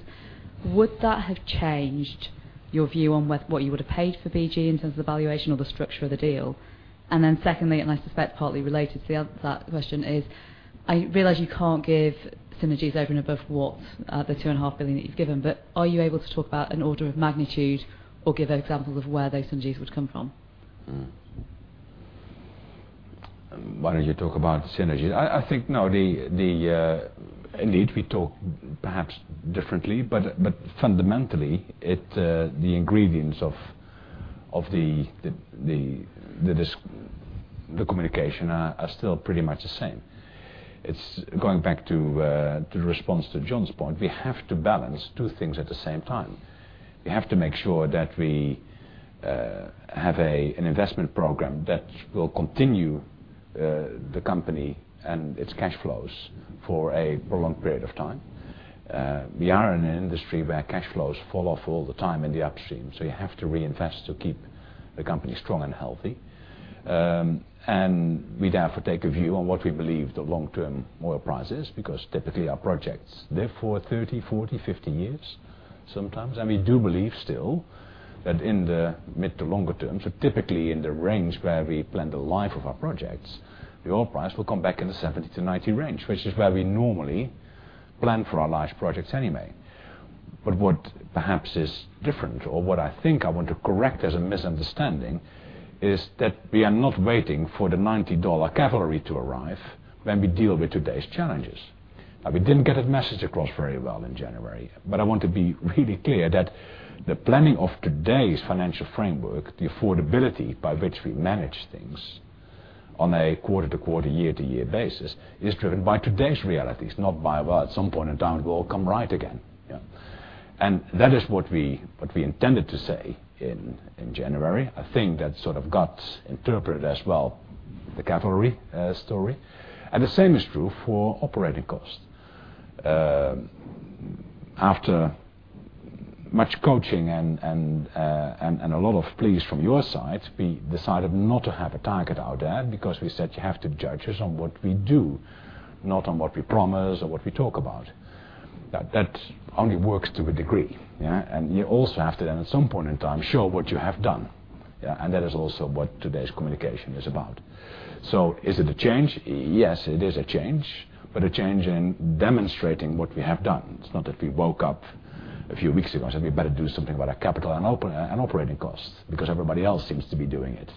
Would that have changed your view on what you would've paid for BG in terms of the valuation or the structure of the deal? Secondly, I suspect partly related to that question is, I realize you can't give synergies over and above what the $2.5 billion that you've given, but are you able to talk about an order of magnitude or give examples of where those synergies would come from? Why don't you talk about synergies? I think no, indeed, we talk perhaps differently, but fundamentally, the ingredients of the communication are still pretty much the same. Going back to the response to Jon's point, we have to balance two things at the same time. We have to make sure that we have an investment program that will continue the company and its cash flows for a prolonged period of time. We are in an industry where cash flows fall off all the time in the upstream, so you have to reinvest to keep the company strong and healthy. We therefore take a view on what we believe the long-term oil price is because typically our projects, they're for 30, 40, 50 years sometimes. We do believe still that in the mid to longer term, so typically in the range where we plan the life of our projects, the oil price will come back in the 70-90 range, which is where we normally plan for our large projects anyway. What perhaps is different or what I think I want to correct as a misunderstanding is that we are not waiting for the $90 cavalry to arrive when we deal with today's challenges. We didn't get a message across very well in January, I want to be really clear that the planning of today's financial framework, the affordability by which we manage things on a quarter-to-quarter, year-to-year basis, is driven by today's realities, not by, "Well, at some point in time, it will come right again." Yeah. That is what we intended to say in January. I think that sort of got interpreted as well, the cavalry story. The same is true for operating costs. After much coaching and a lot of pleas from your side, we decided not to have a target out there because we said you have to judge us on what we do, not on what we promise or what we talk about. That only works to a degree, yeah. You also have to, at some point in time, show what you have done, yeah. That is also what today's communication is about. Is it a change? Yes, it is a change, but a change in demonstrating what we have done. It's not that we woke up a few weeks ago and said we better do something about our capital and operating costs because everybody else seems to be doing it.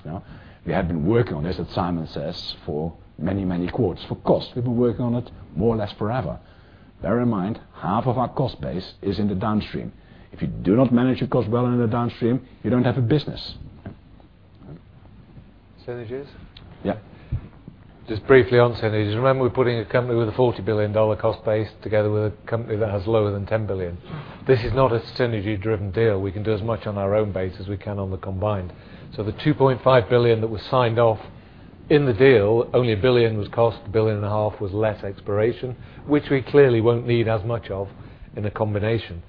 We have been working on this, as Simon says, for many quarters. For cost, we've been working on it more or less forever. Bear in mind, half of our cost base is in the downstream. If you do not manage your cost well in the downstream, you don't have a business. Synergies? Yeah. Just briefly on synergies. Remember we're putting a company with a $40 billion cost base together with a company that has lower than $10 billion. This is not a synergy-driven deal. We can do as much on our own base as we can on the combined. The $2.5 billion that was signed off in the deal, only $1 billion was cost, $1.5 billion was less exploration, which we clearly won't need as much of in a combination.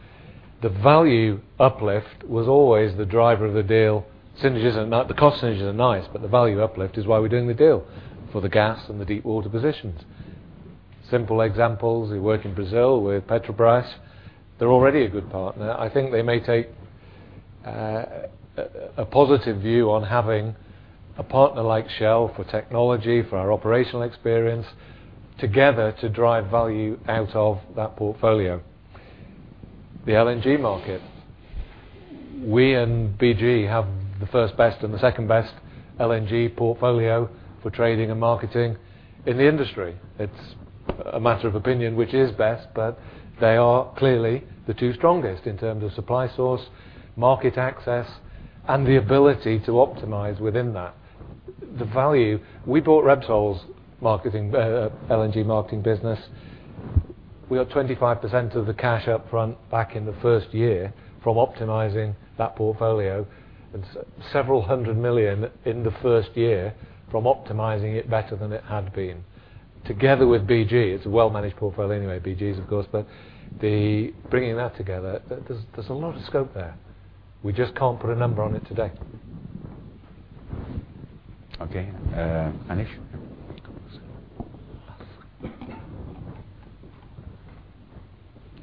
The value uplift was always the driver of the deal. The cost synergies are nice, but the value uplift is why we're doing the deal for the gas and the deepwater positions. Simple examples, we work in Brazil with Petrobras. They're already a good partner. I think they may take a positive view on having a partner like Shell for technology, for our operational experience together to drive value out of that portfolio. The LNG market. We and BG have the first-best and the second-best LNG portfolio for trading and marketing in the industry. It's a matter of opinion which is best, but they are clearly the two strongest in terms of supply source, market access, and the ability to optimize within that. The value, we bought Repsol's LNG marketing business. We got 25% of the cash up front back in the first year from optimizing that portfolio and several hundred million in the first year from optimizing it better than it had been. Together with BG, it's a well-managed portfolio anyway, BG's, of course, but bringing that together, there's a lot of scope there. We just can't put a number on it today. Okay. Anish.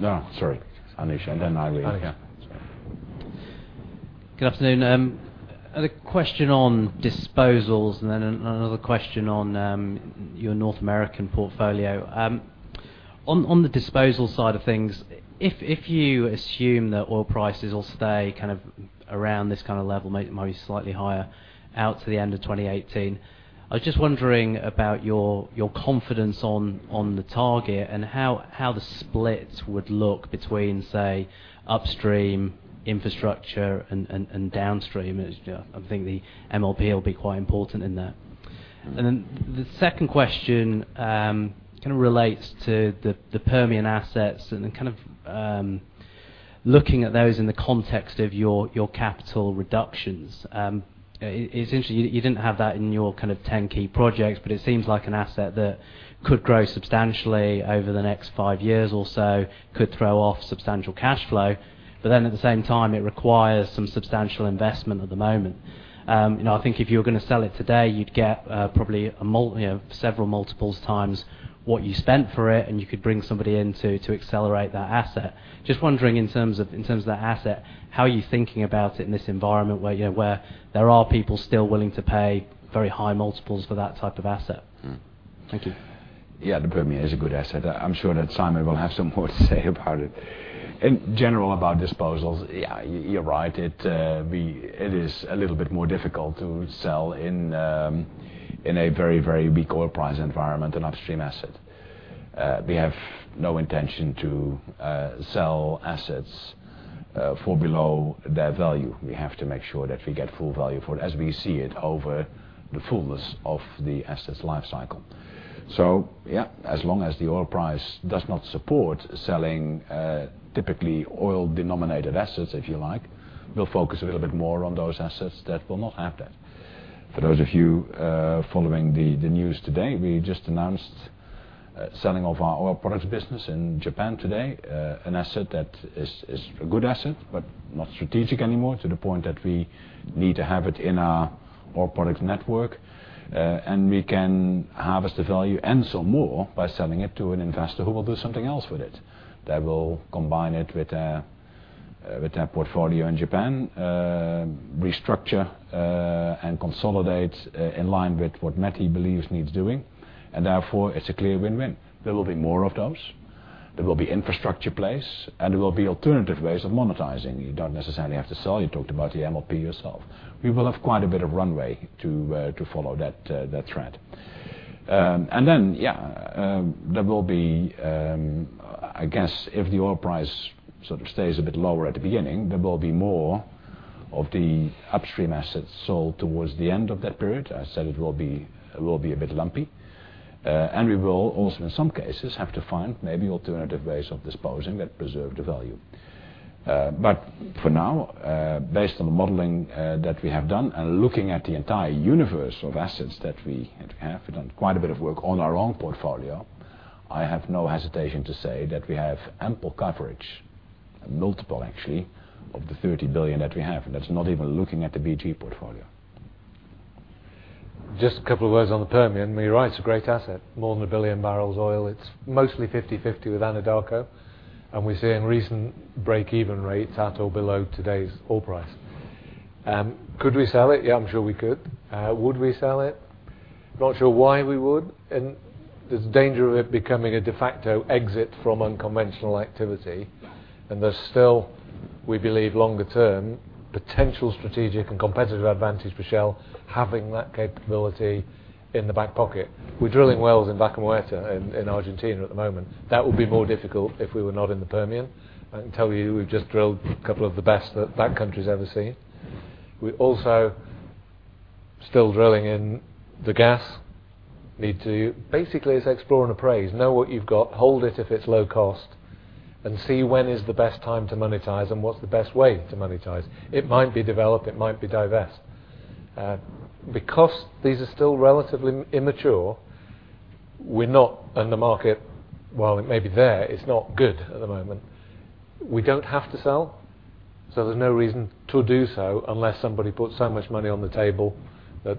No, sorry. Anish, then Irene. Okay. Sorry. Good afternoon. I had a question on disposals, then another question on your North American portfolio. On the disposal side of things, if you assume that oil prices will stay around this kind of level, maybe slightly higher, out to the end of 2018, I was just wondering about your confidence on the target and how the split would look between, say, upstream infrastructure and downstream. I think the MLP will be quite important in that. The second question relates to the Permian assets, then looking at those in the context of your capital reductions. Essentially, you didn't have that in your 10 key projects, but it seems like an asset that could grow substantially over the next five years or so, could throw off substantial cash flow. At the same time, it requires some substantial investment at the moment. I think if you were going to sell it today, you'd get probably several multiples times what you spent for it. You could bring somebody in to accelerate that asset. Just wondering in terms of that asset, how are you thinking about it in this environment where there are people still willing to pay very high multiples for that type of asset? Thank you. Yeah, the Permian is a good asset. I'm sure that Simon will have some more to say about it. In general about disposals, you're right. It is a little bit more difficult to sell in a very weak oil price environment, an upstream asset. We have no intention to sell assets for below their value. We have to make sure that we get full value for it as we see it over the fullness of the asset's life cycle. Yeah, as long as the oil price does not support selling typically oil-denominated assets, if you like, we'll focus a little bit more on those assets that will not have that. For those of you following the news today, we just announced selling off our oil products business in Japan today, an asset that is a good asset, but not strategic anymore to the point that we need to have it in our oil products network. We can harvest the value and some more by selling it to an investor who will do something else with it, that will combine it with their portfolio in Japan, restructure and consolidate in line with what METI believes needs doing, therefore it's a clear win-win. There will be more of those. There will be infrastructure plays, and there will be alternative ways of monetizing. You don't necessarily have to sell. You talked about the MLP yourself. We will have quite a bit of runway to follow that thread. Yeah, I guess if the oil price sort of stays a bit lower at the beginning, there will be more of the upstream assets sold towards the end of that period. I said it will be a bit lumpy. We will also, in some cases, have to find maybe alternative ways of disposing that preserve the value. For now, based on the modeling that we have done and looking at the entire universe of assets that we have, we've done quite a bit of work on our own portfolio, I have no hesitation to say that we have ample coverage, multiple actually, of the $30 billion that we have, and that's not even looking at the BG portfolio. Just a couple of words on the Permian. You're right, it's a great asset. More than 1 billion barrels of oil. It's mostly 50/50 with Anadarko, and we're seeing recent break-even rates at or below today's oil price. Could we sell it? Yeah, I'm sure we could. Would we sell it? Not sure why we would, and there's a danger of it becoming a de facto exit from unconventional activity, and there's still, we believe, longer term potential strategic and competitive advantage for Shell having that capability in the back pocket. We're drilling wells in Vaca Muerta in Argentina at the moment. That would be more difficult if we were not in the Permian. I can tell you we've just drilled a couple of the best that that country's ever seen. We also still drilling in the gas. Basically, it's explore and appraise. Know what you've got, hold it if it's low cost, see when is the best time to monetize and what's the best way to monetize. It might be develop, it might be divest. These are still relatively immature, and the market, while it may be there, it's not good at the moment. We don't have to sell, there's no reason to do so unless somebody puts that much money on the table that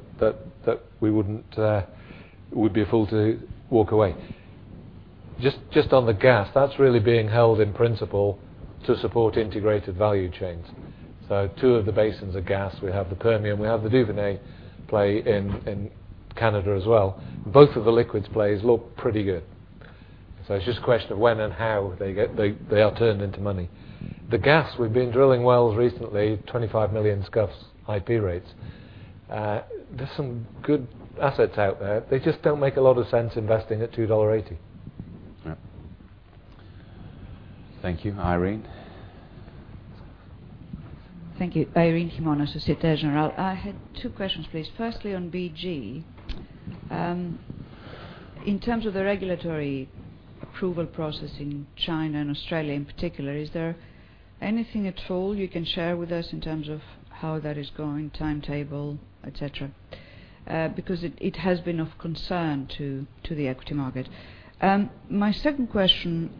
we'd be a fool to walk away. Just on the gas, that's really being held in principle to support integrated value chains. Two of the basins are gas. We have the Permian, we have the Duvernay play in Canada as well. Both of the liquids plays look pretty good. It's just a question of when and how they are turned into money. The gas we've been drilling wells recently, 25 million scf/d IP rates. There's some good assets out there. They just don't make a lot of sense investing at $2.80. Yeah. Thank you. Irene. Thank you. Irene Himona, Societe Generale. I had two questions, please. Firstly, on BG. In terms of the regulatory approval process in China and Australia in particular, is there anything at all you can share with us in terms of how that is going, timetable, et cetera? It has been of concern to the equity market. My second question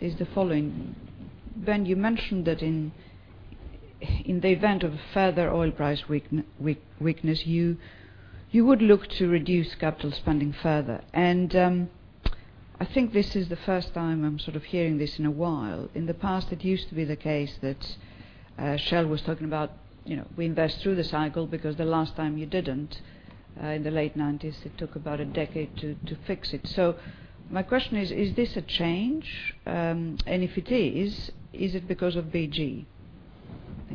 is the following. Ben, you mentioned that in the event of a further oil price weakness, you would look to reduce capital spending further. I think this is the first time I'm sort of hearing this in a while. In the past, it used to be the case that Shell was talking about we invest through the cycle because the last time you didn't, in the late 1990s, it took about a decade to fix it. My question is: Is this a change? If it is it because of BG?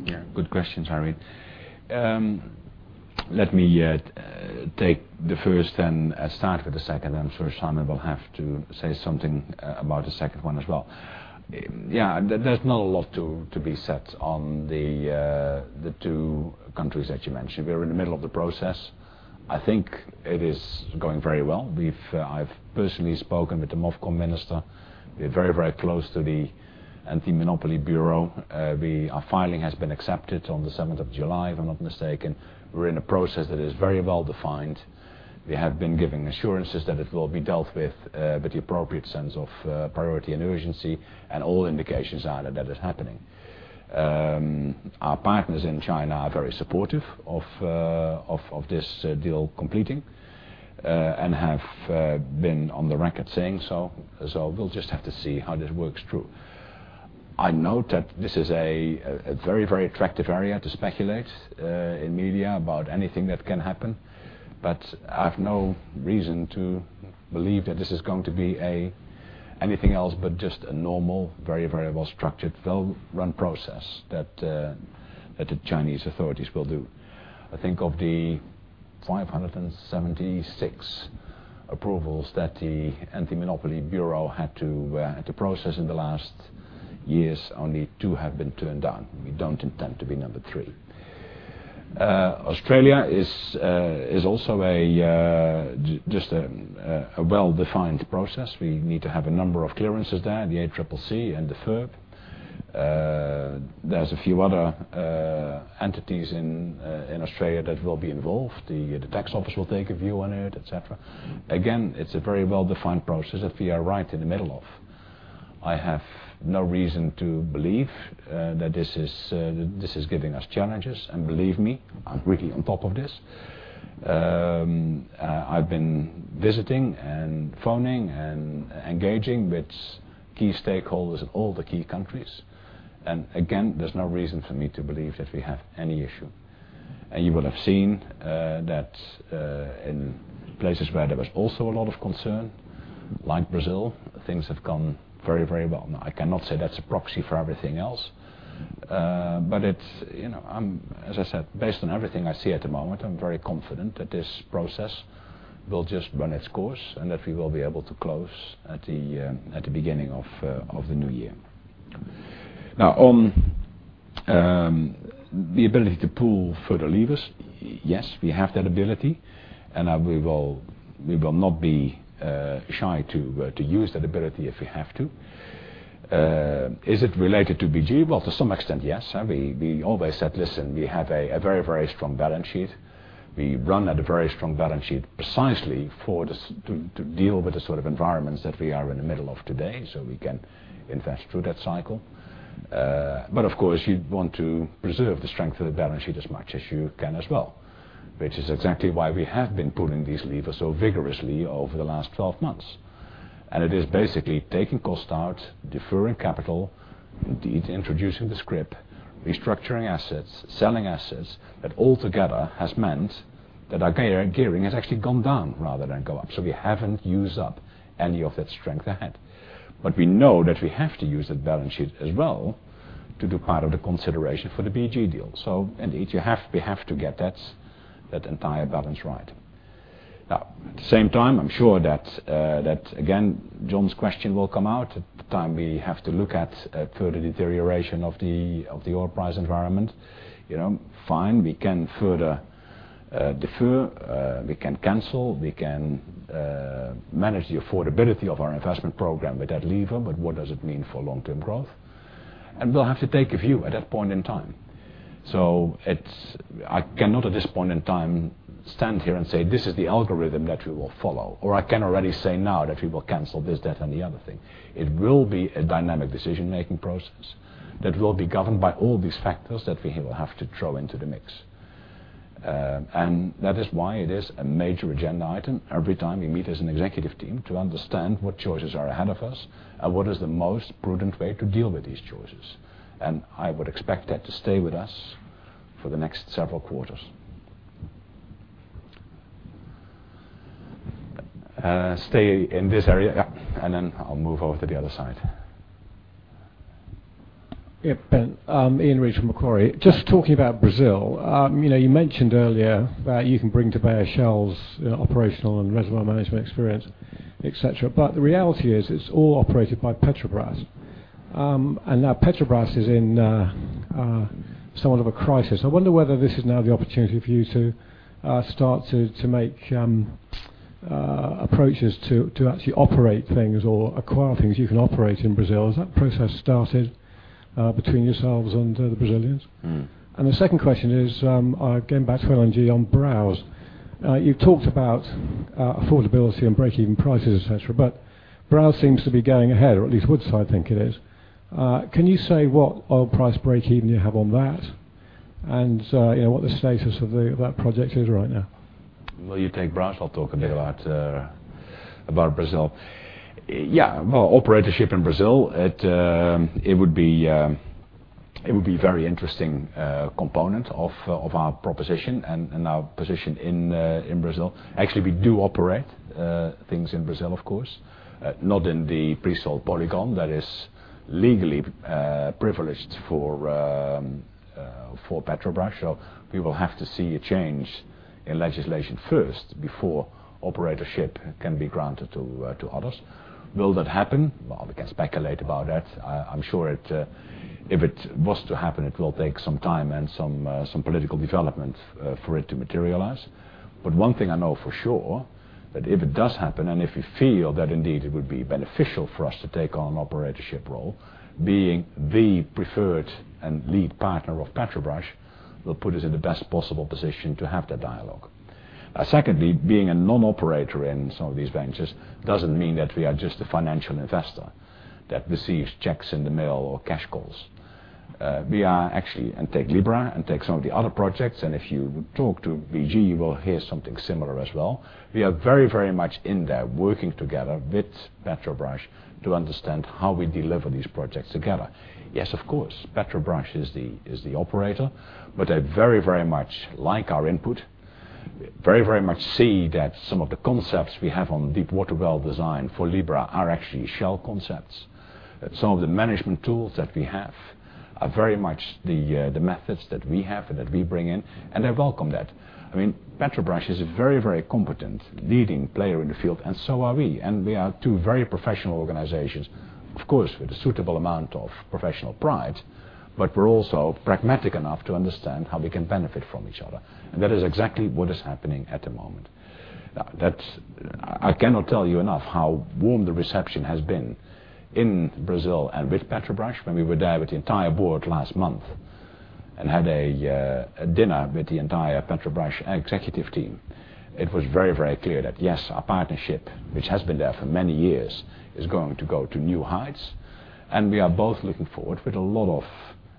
Thank you. Good questions, Irene. Let me take the first and start with the second. I'm sure Simon will have to say something about the second one as well. There's not a lot to be said on the two countries that you mentioned. We are in the middle of the process. I think it is going very well. I've personally spoken with the MOFCOM minister. We are very close to the Anti-Monopoly Bureau. Our filing has been accepted on the 7th of July, if I'm not mistaken. We're in a process that is very well-defined. We have been giving assurances that it will be dealt with the appropriate sense of priority and urgency, and all indications are that that is happening. Our partners in China are very supportive of this deal completing, and have been on the record saying so. We'll just have to see how this works through. I note that this is a very attractive area to speculate in media about anything that can happen. I've no reason to believe that this is going to be anything else but just a normal, very well-structured, well-run process that the Chinese authorities will do. I think of the 576 approvals that the Anti-Monopoly Bureau had to process in the last years, only two have been turned down. We don't intend to be number three. Australia is also just a well-defined process. We need to have a number of clearances there, the ACCC and the FIRB. There's a few other entities in Australia that will be involved. The tax office will take a view on it, et cetera. Again, it's a very well-defined process that we are right in the middle of. I have no reason to believe that this is giving us challenges, and believe me, I'm really on top of this. I've been visiting and phoning and engaging with key stakeholders in all the key countries. Again, there's no reason for me to believe that we have any issue. You will have seen that in places where there was also a lot of concern, like Brazil, things have gone very well. Now, I cannot say that's a proxy for everything else. As I said, based on everything I see at the moment, I'm very confident that this process will just run its course and that we will be able to close at the beginning of the new year. Now, on the ability to pull further levers, yes, we have that ability, and we will not be shy to use that ability if we have to. Is it related to BG? Well, to some extent, yes. We always said, "Listen, we have a very strong balance sheet." We run at a very strong balance sheet precisely to deal with the sort of environments that we are in the middle of today, so we can invest through that cycle. Of course, you'd want to preserve the strength of the balance sheet as much as you can as well, which is exactly why we have been pulling these levers so vigorously over the last 12 months. It is basically taking cost out, deferring capital, indeed introducing the scrip, restructuring assets, selling assets. That all together has meant that our gearing has actually gone down rather than go up. We haven't used up any of that strength ahead. We know that we have to use that balance sheet as well to do part of the consideration for the BG deal. Indeed, we have to get that entire balance right. At the same time, I'm sure that again, Jon's question will come out. At the time, we have to look at further deterioration of the oil price environment. Fine, we can further defer, we can cancel, we can manage the affordability of our investment program with that lever, but what does it mean for long-term growth? We'll have to take a view at that point in time. I cannot at this point in time stand here and say, "This is the algorithm that we will follow," or I can already say now that we will cancel this, that, and the other thing. It will be a dynamic decision-making process that will be governed by all these factors that we will have to throw into the mix. That is why it is a major agenda item every time we meet as an executive team to understand what choices are ahead of us and what is the most prudent way to deal with these choices. I would expect that to stay with us for the next several quarters. Stay in this area. I'll move over to the other side. Yeah, Ben. Ian Reid from Macquarie. Just talking about Brazil. You mentioned earlier that you can bring to bear Shell's operational and reservoir management experience, et cetera, but the reality is it's all operated by Petrobras. Now Petrobras is in somewhat of a crisis. I wonder whether this is now the opportunity for you to start to make approaches to actually operate things or acquire things you can operate in Brazil. Has that process started between yourselves and the Brazilians? The second question is, going back to LNG on Browse. You've talked about affordability and breakeven prices, et cetera, but Woodside think it is. Can you say what oil price breakeven you have on that and what the status of that project is right now? Will you take Browse? I'll talk a bit about- Yeah Brazil. Yeah. Well, operatorship in Brazil, it would be very interesting component of our proposition and our position in Brazil. Actually, we do operate things in Brazil, of course, not in the pre-salt polygon that is legally privileged for Petrobras. We will have to see a change in legislation first before operatorship can be granted to others. Will that happen? Well, we can speculate about that. I'm sure if it was to happen, it will take some time and some political development for it to materialize. One thing I know for sure, that if it does happen, and if we feel that indeed it would be beneficial for us to take on an operatorship role, being the preferred and lead partner of Petrobras will put us in the best possible position to have that dialogue. Secondly, being a non-operator in some of these ventures doesn't mean that we are just a financial investor that receives checks in the mail or cash calls. We are actually, and take Libra and take some of the other projects, and if you talk to BG, you will hear something similar as well. We are very much in there working together with Petrobras to understand how we deliver these projects together. Yes, of course, Petrobras is the operator, but they very much like our input. Very much see that some of the concepts we have on deep water well design for Libra are actually Shell concepts. Some of the management tools that we have are very much the methods that we have and that we bring in, and they welcome that. Petrobras is a very competent leading player in the field. So are we are two very professional organizations. Of course, with a suitable amount of professional pride, but we're also pragmatic enough to understand how we can benefit from each other. That is exactly what is happening at the moment. I cannot tell you enough how warm the reception has been in Brazil and with Petrobras when we were there with the entire board last month and had a dinner with the entire Petrobras executive team. It was very clear that yes, our partnership, which has been there for many years, is going to go to new heights. We are both looking forward with a lot of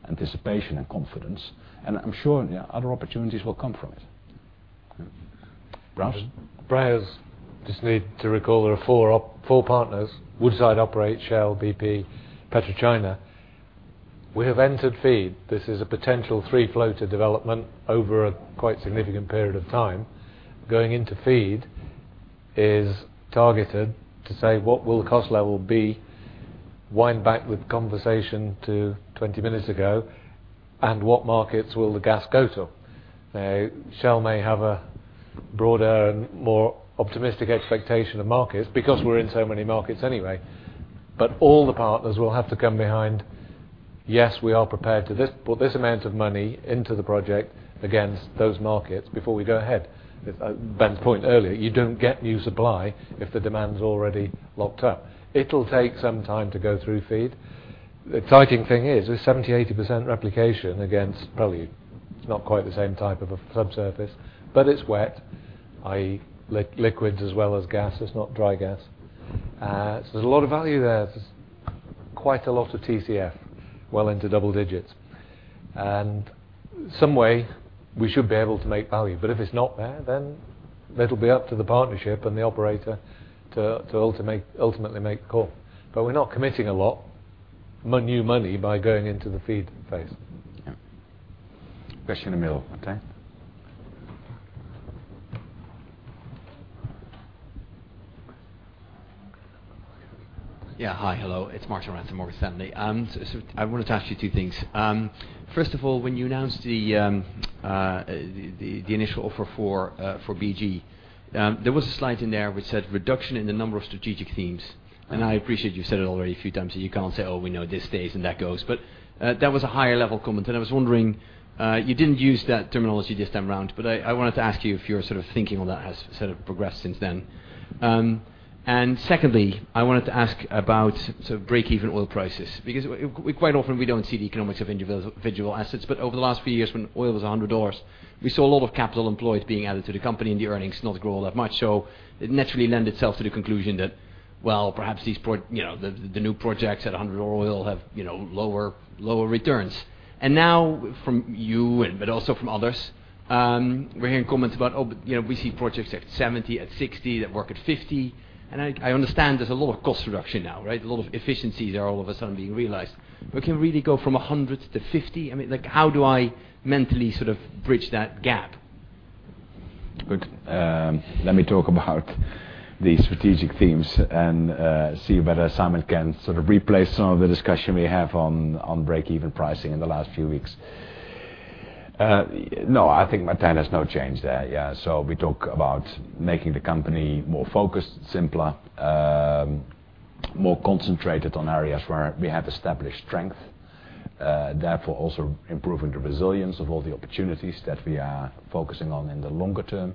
anticipation and confidence, I'm sure other opportunities will come from it. Browse? Browse, just need to recall there are four partners, Woodside operate Shell, BP, PetroChina. We have entered FEED. This is a potential three floater development over a quite significant period of time. Going into FEED is targeted to say, what will the cost level be, wind back with conversation to 20 minutes ago. What markets will the gas go to? Shell may have a broader and more optimistic expectation of markets because we're in so many markets anyway. All the partners will have to come behind, yes, we are prepared to put this amount of money into the project against those markets before we go ahead. Ben's point earlier, you don't get new supply if the demand's already locked up. It'll take some time to go through FEED. The exciting thing is there's 70%, 80% replication against probably not quite the same type of a subsurface, but it's wet, i.e. liquids as well as gas. It's not dry gas. There's a lot of value there. There's quite a lot of TCF, well into double digits. Some way we should be able to make value, but if it's not there, then it'll be up to the partnership and the operator to ultimately make the call. We're not committing a lot new money by going into the FEED phase. Yeah. Question in the middle. Okay. Yeah. Hi, hello. It's Martijn Rats, Morgan Stanley. I wanted to ask you two things. First of all, when you announced the initial offer for BG, there was a slide in there which said, "Reduction in the number of strategic themes." I appreciate you've said it already a few times that you can't say, oh, we know this stays and that goes, but that was a higher level comment. I was wondering, you didn't use that terminology this time around, but I wanted to ask you if your thinking on that has progressed since then. Secondly, I wanted to ask about breakeven oil prices, because quite often we don't see the economics of individual assets. But over the last few years, when oil was $100, we saw a lot of capital employed being added to the company and the earnings not grow all that much. It naturally lend itself to the conclusion that, well, perhaps the new projects at $100 oil have lower returns. Now from you, but also from others, we're hearing comments about, oh, but, we see projects at 70, at 60, that work at 50. I understand there's a lot of cost reduction now, right? A lot of efficiencies are all of a sudden being realized. Can we really go from 100 to 50? I mean, how do I mentally bridge that gap? Good. Let me talk about the strategic themes and see whether Simon can replace some of the discussion we have on breakeven pricing in the last few weeks. No, I think my tune has no change there. We talk about making the company more focused, simpler, more concentrated on areas where we have established strength, therefore also improving the resilience of all the opportunities that we are focusing on in the longer term.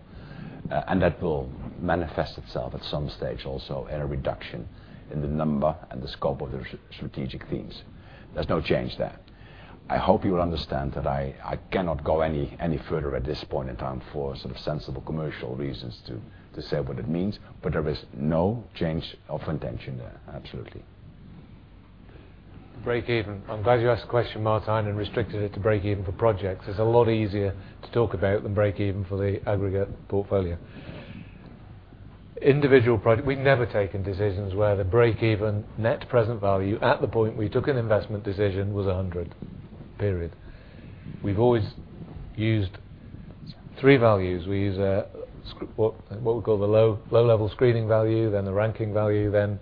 That will manifest itself at some stage also in a reduction in the number and the scope of the strategic themes. There's no change there. I hope you will understand that I cannot go any further at this point in time for sensible commercial reasons to say what it means, but there is no change of intention there, absolutely. Breakeven. I'm glad you asked the question, Martijn, restricted it to breakeven for projects. It's a lot easier to talk about than breakeven for the aggregate portfolio. Individual project, we've never taken decisions where the breakeven net present value at the point we took an investment decision was $100, period. We've always used three values. We use what we call the low-level screening value, then the ranking value, then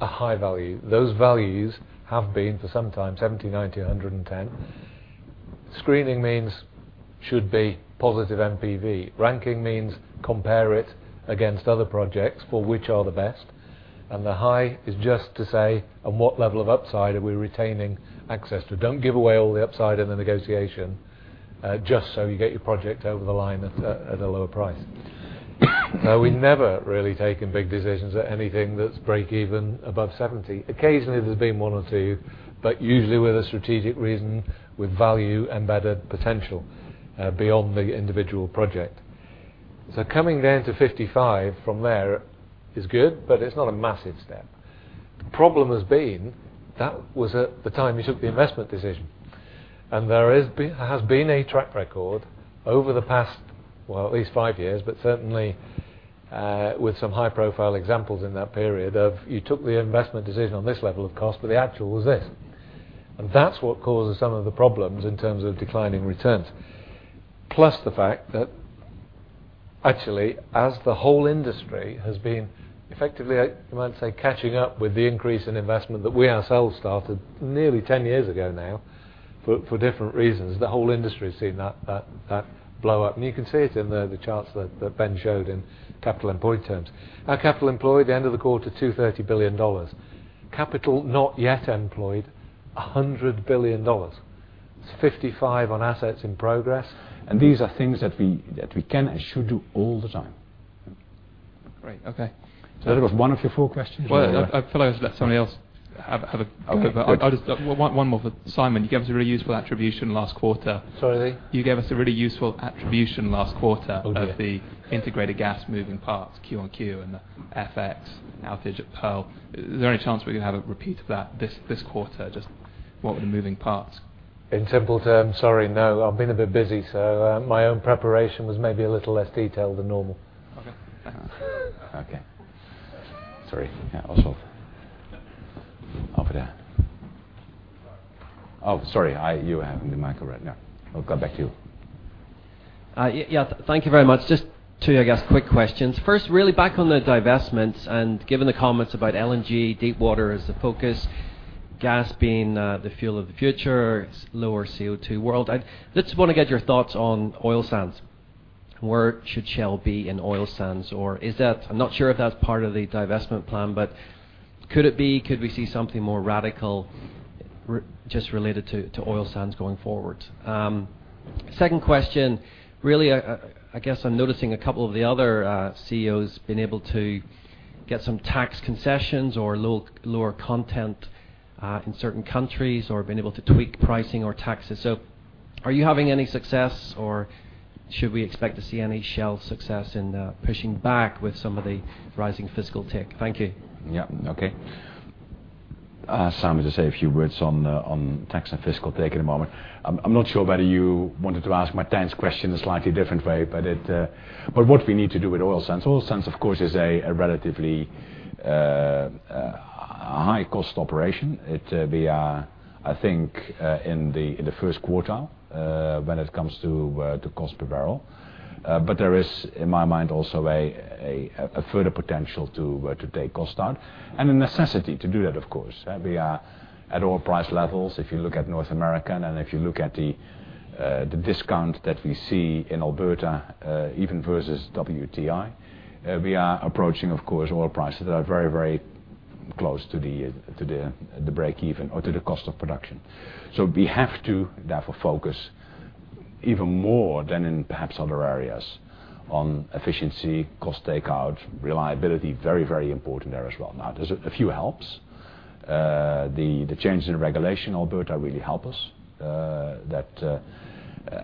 a high value. Those values have been for some time $70, $90, $110. Screening means should be positive NPV. Ranking means compare it against other projects for which are the best, the high is just to say at what level of upside are we retaining access to. Don't give away all the upside in the negotiation just so you get your project over the line at a lower price. No, we've never really taken big decisions at anything that's breakeven above $70. Occasionally, there's been one or two, but usually with a strategic reason with value and better potential beyond the individual project. Coming down to $55 from there is good, but it's not a massive step. The problem has been that was at the time we took the investment decision. There has been a track record over the past, well, at least five years, but certainly with some high-profile examples in that period of you took the investment decision on this level of cost, but the actual was this. That's what causes some of the problems in terms of declining returns. Plus the fact that actually, as the whole industry has been effectively, you might say, catching up with the increase in investment that we ourselves started nearly 10 years ago now for different reasons. The whole industry's seen that blow up. You can see it in the charts that Ben showed in capital employed terms. Our capital employed end of the quarter, $230 billion. Capital not yet employed, $100 billion. It's $55 on assets in progress- These are things that we can and should do all the time. Great. Okay. That was one of your four questions? Well, I'd thought I'd let somebody else have. Okay. Good. I'll just one more for Simon. You gave us a really useful attribution last quarter. Sorry, the? You gave us a really useful attribution last quarter. Oh, yeah of the Integrated Gas moving parts Q on Q and the FX and now Pearl GTL. Is there any chance we're going to have a repeat of that this quarter, just what were the moving parts? In simple terms, sorry, no. I've been a bit busy, so my own preparation was maybe a little less detailed than normal. Okay. Okay. Sorry. Yeah, also over there. Oh, sorry, you have the mic. Right, no. I'll come back to you. Thank you very much. Just two, I guess, quick questions. First, really back on the divestments and given the comments about LNG, deep water as the focus, gas being the fuel of the future, lower CO2 world. I just want to get your thoughts on Oil Sands. Where should Shell be in Oil Sands? Or I'm not sure if that's part of the divestment plan, but could it be, could we see something more radical just related to Oil Sands going forward? Second question, really, I guess I'm noticing a couple of the other CEOs been able to get some tax concessions or lower content, in certain countries or been able to tweak pricing or taxes. Are you having any success or should we expect to see any Shell success in pushing back with some of the rising fiscal take? Thank you. Okay. I'll ask Simon to say a few words on tax and fiscal take in a moment. I'm not sure whether you wanted to ask Martijn's question a slightly different way, what we need to do with Oil Sands, Oil Sands of course is a relatively high cost operation. We are, I think, in the first quarter when it comes to cost per barrel. There is, in my mind, also a further potential to take cost out and a necessity to do that, of course. We are at oil price levels, if you look at North America and if you look at the discount that we see in Alberta even versus WTI, we are approaching, of course, oil prices that are very close to the break-even or to the cost of production. We have to therefore focus even more than in perhaps other areas on efficiency, cost takeout, reliability, very important there as well. There's a few helps. The changes in regulation in Alberta really help us, that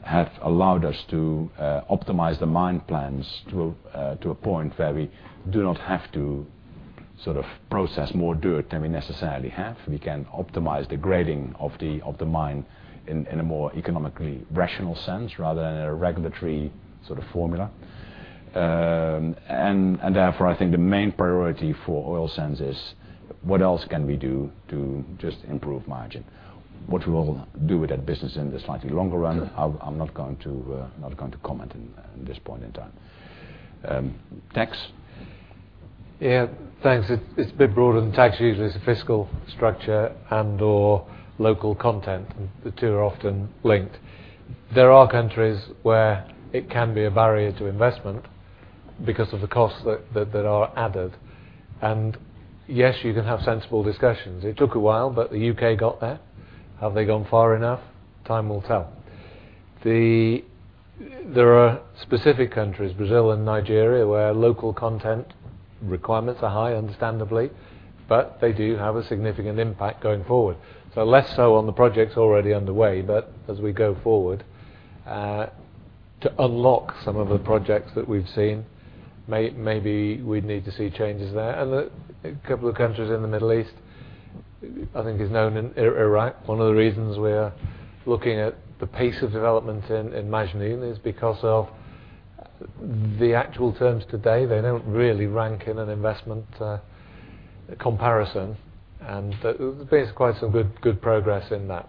have allowed us to optimize the mine plans to a point where we do not have to process more dirt than we necessarily have. We can optimize the grading of the mine in a more economically rational sense, rather than a regulatory formula. Therefore, I think the main priority for Oil Sands is what else can we do to just improve margin. What we will do with that business in the slightly longer run, I'm not going to comment in this point in time. Tax? Yeah. Thanks. It's a bit broader than tax usually. It's the fiscal structure and/or local content. The two are often linked. There are countries where it can be a barrier to investment because of the costs that are added. Yes, you can have sensible discussions. It took a while, but the U.K. got there. Have they gone far enough? Time will tell. There are specific countries, Brazil and Nigeria, where local content requirements are high, understandably, but they do have a significant impact going forward. Less so on the projects already underway, but as we go forward, to unlock some of the projects that we've seen, maybe we'd need to see changes there. A couple of countries in the Middle East, I think is known in Iraq. One of the reasons we're looking at the pace of development in Majnoon is because of the actual terms today. They don't really rank in an investment comparison, There's quite some good progress in that.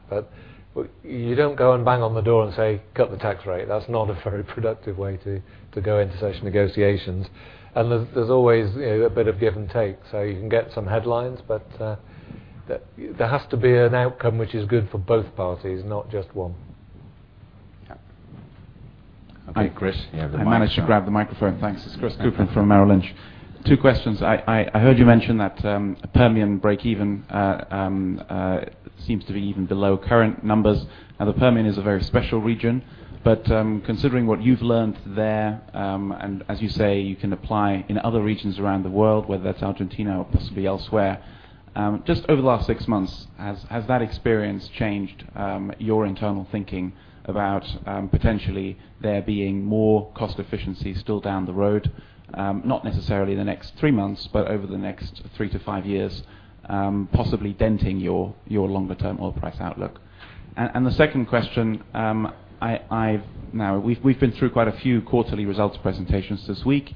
You don't go and bang on the door and say, "Cut the tax rate." That's not a very productive way to go into such negotiations. There's always a bit of give and take. You can get some headlines, but there has to be an outcome which is good for both parties, not just one. Yeah. Okay, Chris. You have the microphone. I managed to grab the microphone, thanks. It is Chris Kuplent from Merrill Lynch. Two questions. I heard you mention that Permian break even seems to be even below current numbers. The Permian is a very special region, but considering what you've learnt there, as you say, you can apply in other regions around the world, whether that's Argentina or possibly elsewhere. Just over the last six months, has that experience changed your internal thinking about potentially there being more cost efficiency still down the road? Not necessarily the next three months, but over the next 3 to 5 years, possibly denting your longer-term oil price outlook. The second question, we've been through quite a few quarterly results presentations this week,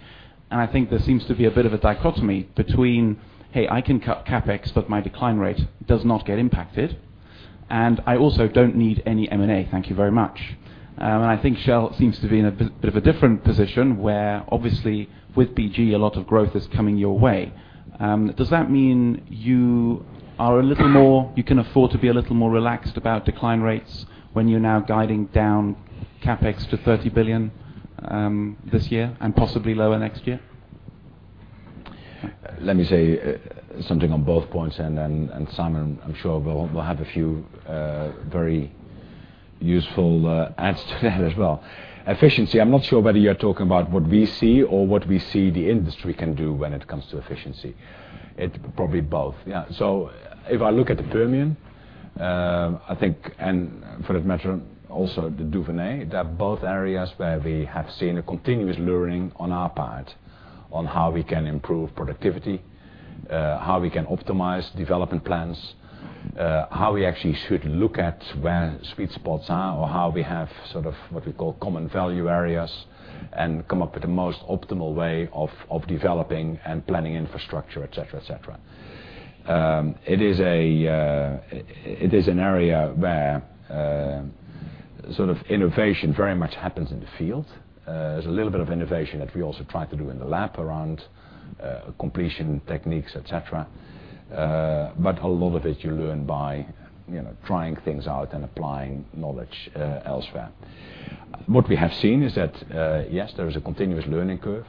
and I think there seems to be a bit of a dichotomy between, hey, I can cut CapEx, but my decline rate does not get impacted. I also don't need any M&A, thank you very much. I think Shell seems to be in a bit of a different position where obviously with BG, a lot of growth is coming your way. Does that mean you can afford to be a little more relaxed about decline rates when you're now guiding down CapEx to $30 billion this year and possibly lower next year? Let me say something on both points, Simon, I'm sure, will have a few very useful adds to that as well. Efficiency, I'm not sure whether you're talking about what we see or what we see the industry can do when it comes to efficiency. It probably both. Yeah. If I look at the Permian, I think, for that matter, also the Duvernay, they're both areas where we have seen a continuous learning on our part on how we can improve productivity, how we can optimize development plans, how we actually should look at where sweet spots are or how we have what we call common value areas, and come up with the most optimal way of developing and planning infrastructure, et cetera. It is an area where innovation very much happens in the field. There's a little bit of innovation that we also try to do in the lab around completion techniques, et cetera. A lot of it you learn by trying things out and applying knowledge elsewhere. What we have seen is that, yes, there is a continuous learning curve,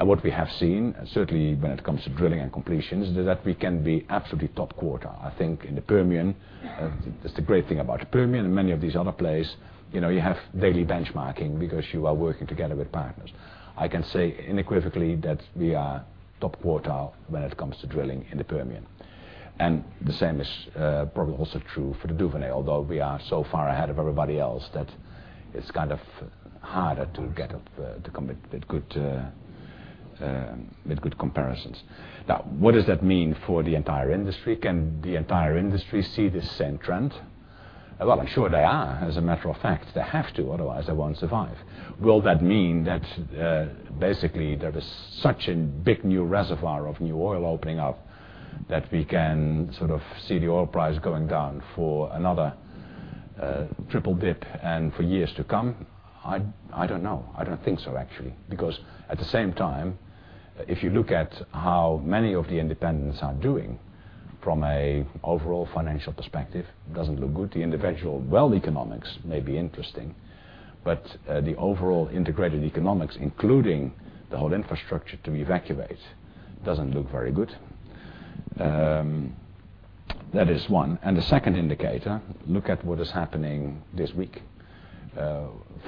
what we have seen, certainly when it comes to drilling and completions, is that we can be absolutely top quartile. I think in the Permian, that's the great thing about the Permian and many of these other plays. You have daily benchmarking because you are working together with partners. I can say unequivocally that we are top quartile when it comes to drilling in the Permian. The same is probably also true for the Duvernay, although we are so far ahead of everybody else that it's harder to commit with good comparisons. What does that mean for the entire industry? Can the entire industry see the same trend? Well, I'm sure they are. As a matter of fact, they have to, otherwise they won't survive. Will that mean that basically there is such a big new reservoir of new oil opening up that we can see the oil price going down for another triple dip and for years to come? I don't know. I don't think so, actually. At the same time, if you look at how many of the independents are doing from a overall financial perspective, it doesn't look good. The individual well economics may be interesting, but the overall integrated economics, including the whole infrastructure to evacuate, doesn't look very good. That is one. The second indicator, look at what is happening this week.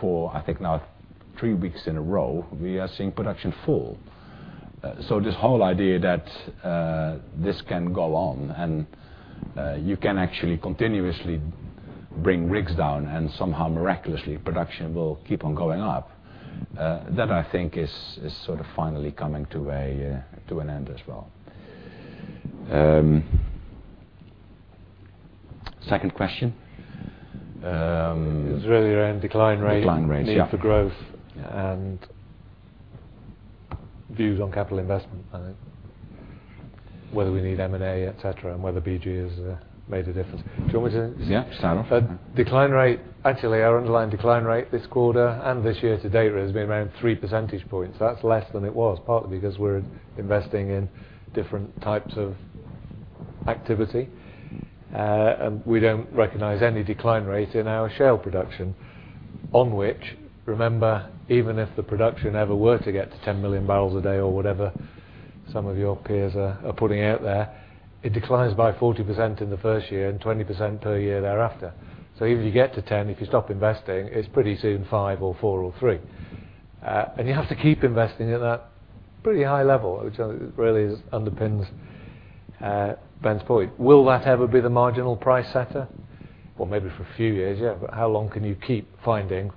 For I think now three weeks in a row, we are seeing production fall. This whole idea that this can go on, and you can actually continuously bring rigs down and somehow miraculously production will keep on going up, that I think is finally coming to an end as well. Second question? It was really around decline rates. Decline rates, yeah. need for growth, and views on capital investment, I think. Whether we need M&A, et cetera, and whether BG has made a difference. Do you want me to- Yeah, start off. Decline rate, actually, our underlying decline rate this quarter and this year to date has been around three percentage points. That's less than it was, partly because we're investing in different types of activity. We don't recognize any decline rate in our Shell production on which, remember, even if the production ever were to get to 10 million barrels a day or whatever some of your peers are putting out there, it declines by 40% in the first year and 20% per year thereafter. Even if you get to 10, if you stop investing, it's pretty soon five or four or three. You have to keep investing at a pretty high level, which really underpins Ben's point. Will that ever be the marginal price setter? Well, maybe for a few years, yeah. How long can you keep finding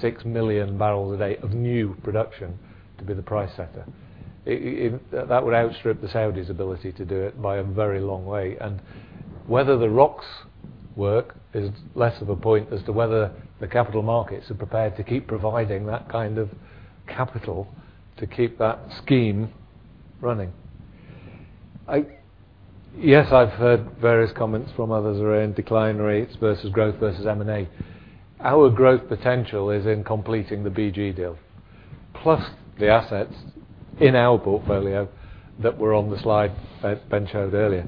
five, six million barrels a day of new production to be the price setter? That would outstrip the Saudis' ability to do it by a very long way. Whether the rocks work is less of a point as to whether the capital markets are prepared to keep providing that kind of capital to keep that scheme running. Yes, I've heard various comments from others around decline rates versus growth versus M&A. Our growth potential is in completing the BG deal. Plus the assets in our portfolio that were on the slide that Ben showed earlier.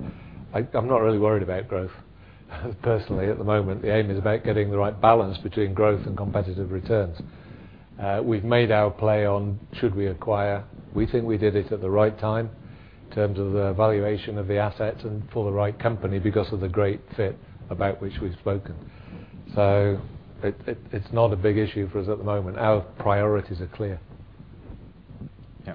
I'm not really worried about growth personally at the moment. The aim is about getting the right balance between growth and competitive returns. We've made our play on should we acquire? We think we did it at the right time in terms of the valuation of the assets and for the right company because of the great fit about which we've spoken. It's not a big issue for us at the moment. Our priorities are clear. Yeah.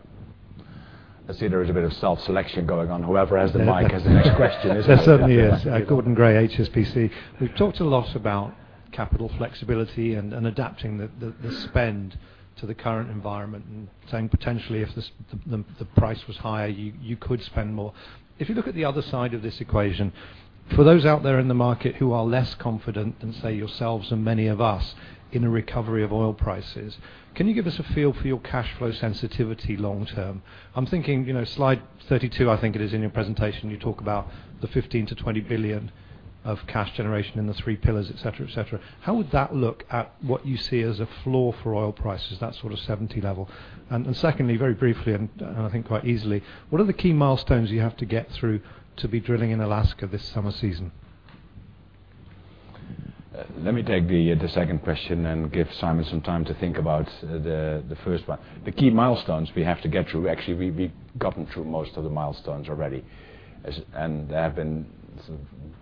I see there is a bit of self-selection going on. Whoever has the mic has the next question. There certainly is. Gordon Gray, HSBC. We've talked a lot about capital flexibility and adapting the spend to the current environment and saying potentially if the price was higher, you could spend more. If you look at the other side of this equation, for those out there in the market who are less confident than, say, yourselves and many of us in a recovery of oil prices, can you give us a feel for your cash flow sensitivity long term? I'm thinking slide 32, I think it is, in your presentation, you talk about the $15 billion-$20 billion of cash generation in the three pillars, et cetera. How would that look at what you see as a floor for oil prices, that sort of 70 level? Secondly, very briefly and I think quite easily, what are the key milestones you have to get through to be drilling in Alaska this summer season? Let me take the second question and give Simon some time to think about the first one. The key milestones we have to get through, actually, we've gotten through most of the milestones already. They have been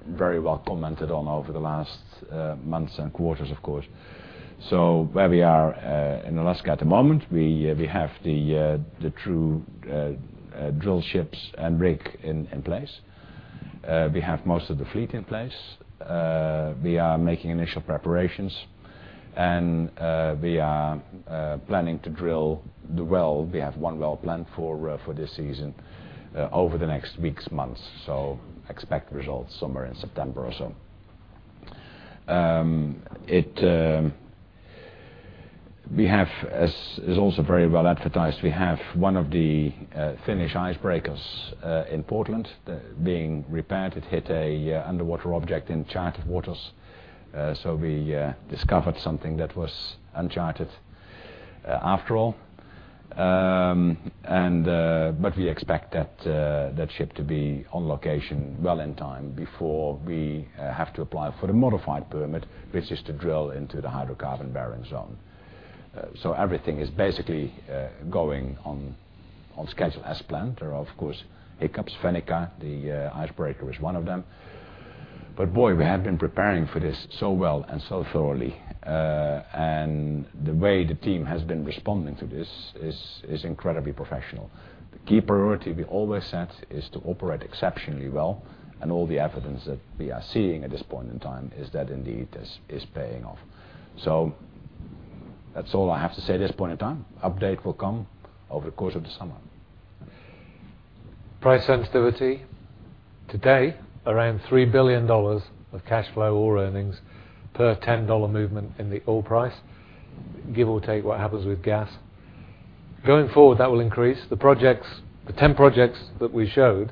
very well commented on over the last months and quarters, of course. Where we are in Alaska at the moment, we have the two drill ships and rig in place. We have most of the fleet in place. We are making initial preparations, and we are planning to drill the well. We have one well planned for this season over the next weeks, months. Expect results somewhere in September or so. As is also very well advertised, we have one of the Finnish icebreakers in Portland being repaired. It hit an underwater object in charted waters. We discovered something that was uncharted after all. We expect that ship to be on location well in time before we have to apply for the modified permit, which is to drill into the hydrocarbon bearing zone. Everything is basically going on schedule as planned. There are, of course, hiccups. Fennica, the icebreaker, was one of them. Boy, we have been preparing for this so well and so thoroughly. The way the team has been responding to this is incredibly professional. The key priority we always set is to operate exceptionally well, and all the evidence that we are seeing at this point in time is that indeed this is paying off. That's all I have to say at this point in time. Update will come over the course of the summer. Price sensitivity. Today, around $3 billion of cash flow or earnings per $10 movement in the oil price, give or take what happens with gas. Going forward, that will increase. The 10 projects that we showed,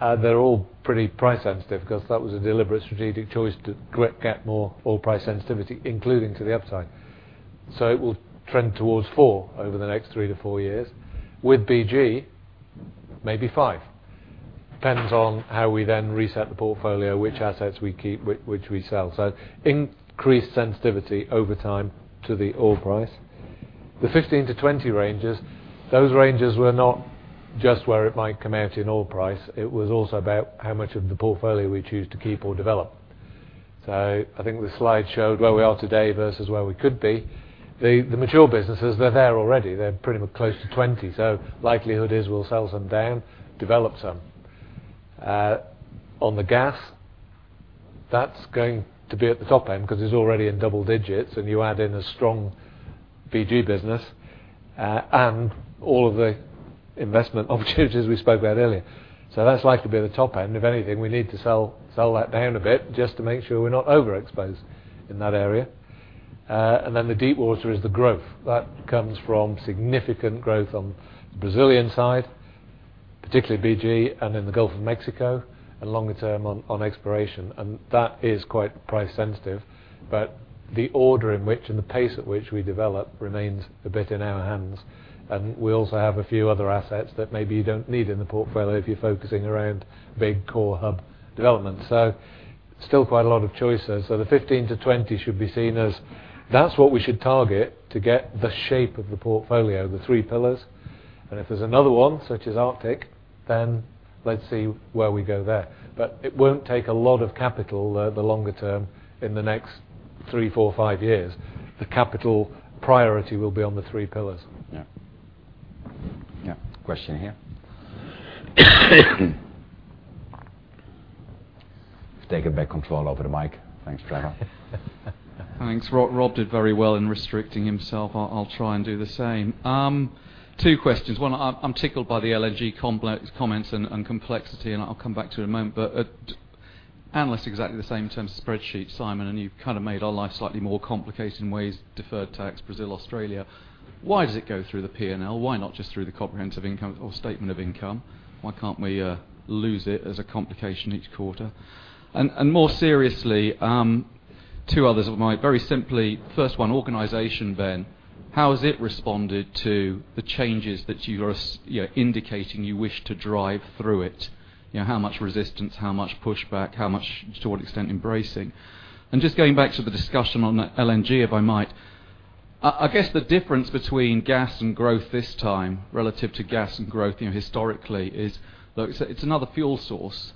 they're all pretty price sensitive, because that was a deliberate strategic choice to get more oil price sensitivity, including to the upside. It will trend towards four over the next three to four years. With BG, maybe five. Depends on how we then reset the portfolio, which assets we keep, which we sell. So increased sensitivity over time to the oil price. The 15-20 ranges, those ranges were not just where it might come out in oil price, it was also about how much of the portfolio we choose to keep or develop. I think the slide showed where we are today versus where we could be. The mature businesses, they're there already. They're pretty much close to 20. Likelihood is we'll sell some down, develop some. On the gas, that's going to be at the top end because it's already in double digits, and you add in a strong BG business, and all of the investment opportunities we spoke about earlier. That's likely to be at the top end. If anything, we need to sell that down a bit just to make sure we're not overexposed in that area. The deepwater is the growth. That comes from significant growth on the Brazilian side, particularly BG and in the Gulf of Mexico and longer term on exploration. That is quite price sensitive. But the order in which and the pace at which we develop remains a bit in our hands. We also have a few other assets that maybe you don't need in the portfolio if you're focusing around big core hub development. Still quite a lot of choices. The 15-20 should be seen as that's what we should target to get the shape of the portfolio, the three pillars. If there's another one, such as Arctic, let's see where we go there. It won't take a lot of capital there the longer term in the next three, four, five years. The capital priority will be on the three pillars. Yeah. Question here. Just taking back control over the mic. Thanks, Tjerk. Thanks. Rob did very well in restricting himself. I'll try and do the same. Two questions. One, I'm tickled by the LNG complex comments and complexity, and I'll come back to it in a moment. Analysts exactly the same in terms of spreadsheets, Simon, and you've made our life slightly more complicated in ways, deferred tax, Brazil, Australia. Why does it go through the P&L? Why not just through the comprehensive income or statement of income? Why can't we lose it as a complication each quarter? More seriously, two others of mine. Very simply, first one, organization, Ben. How has it responded to the changes that you're indicating you wish to drive through it? How much resistance? How much pushback? How much to what extent embracing? Just going back to the discussion on LNG, if I might. I guess the difference between gas and growth this time relative to gas and growth historically is it's another fuel source.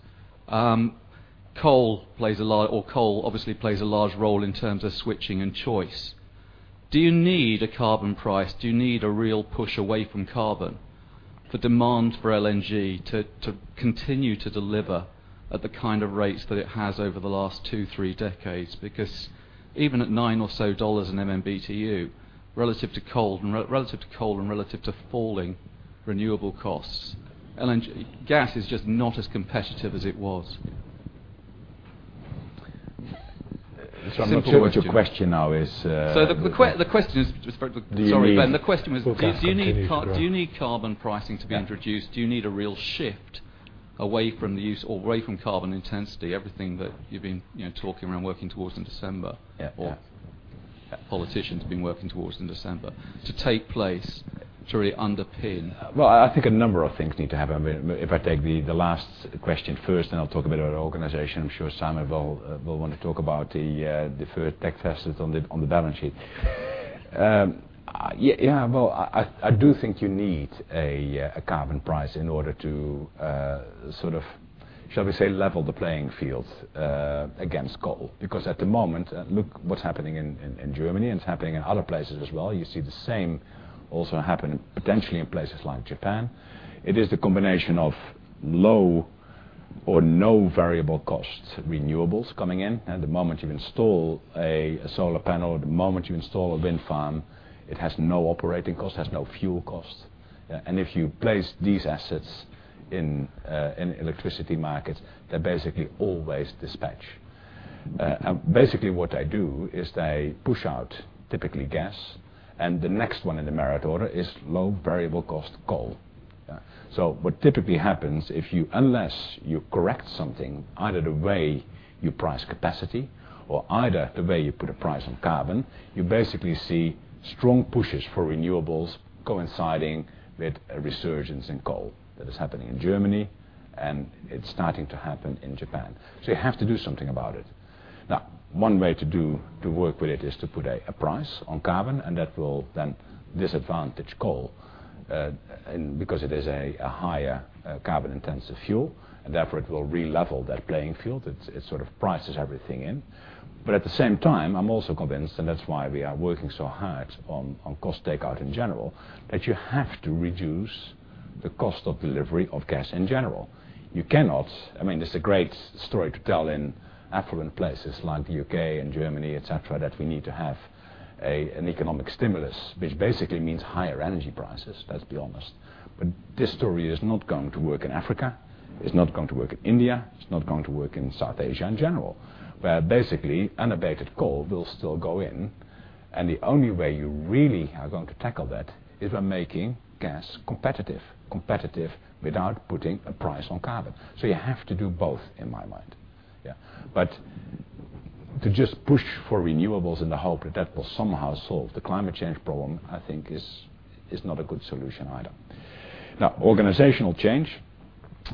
Coal obviously plays a large role in terms of switching and choice. Do you need a carbon price? Do you need a real push away from carbon for demand for LNG to continue to deliver at the kind of rates that it has over the last two, three decades? Because even at $9 or so in MMBtu, relative to coal and relative to falling renewable costs, gas is just not as competitive as it was. I'm not sure what your question now is. The question is. Do you need? Sorry, Ben, the question was. Okay. Continue, sorry Do you need carbon pricing to be introduced? Do you need a real shift away from the use or away from carbon intensity, everything that you've been talking around working towards in December? Yeah. Politicians have been working towards in December to take place to really underpin? Well, I think a number of things need to happen. If I take the last question first, I'll talk a bit about organization. I'm sure Simon will want to talk about the deferred tax assets on the balance sheet. Yeah. Well, I do think you need a carbon price in order to, shall we say, level the playing field against coal. Because at the moment, look what's happening in Germany, and it's happening in other places as well. You see the same also happen potentially in places like Japan. It is the combination of low or no variable cost renewables coming in. At the moment you install a solar panel, at the moment you install a wind farm, it has no operating cost, has no fuel cost. If you place these assets in electricity markets, they basically always dispatch. Basically what they do is they push out typically gas, and the next one in the merit order is low variable cost coal. What typically happens, unless you correct something, either the way you price capacity or either the way you put a price on carbon, you basically see strong pushes for renewables coinciding with a resurgence in coal. That is happening in Germany, and it's starting to happen in Japan. You have to do something about it. Now, one way to work with it is to put a price on carbon, and that will then disadvantage coal. Because it is a higher carbon intensive fuel, and therefore it will relevel that playing field. It sort of prices everything in. At the same time, I'm also convinced, and that's why we are working so hard on cost takeout in general, that you have to reduce the cost of delivery of gas in general. This is a great story to tell in affluent places like the U.K. and Germany, et cetera, that we need to have an economic stimulus, which basically means higher energy prices. Let's be honest. This story is not going to work in Africa. It's not going to work in India. It's not going to work in South Asia in general, where basically unabated coal will still go in, and the only way you really are going to tackle that is by making gas competitive. Competitive without putting a price on carbon. You have to do both in my mind. Yeah. To just push for renewables in the hope that will somehow solve the climate change problem, I think is not a good solution either. Now, organizational change.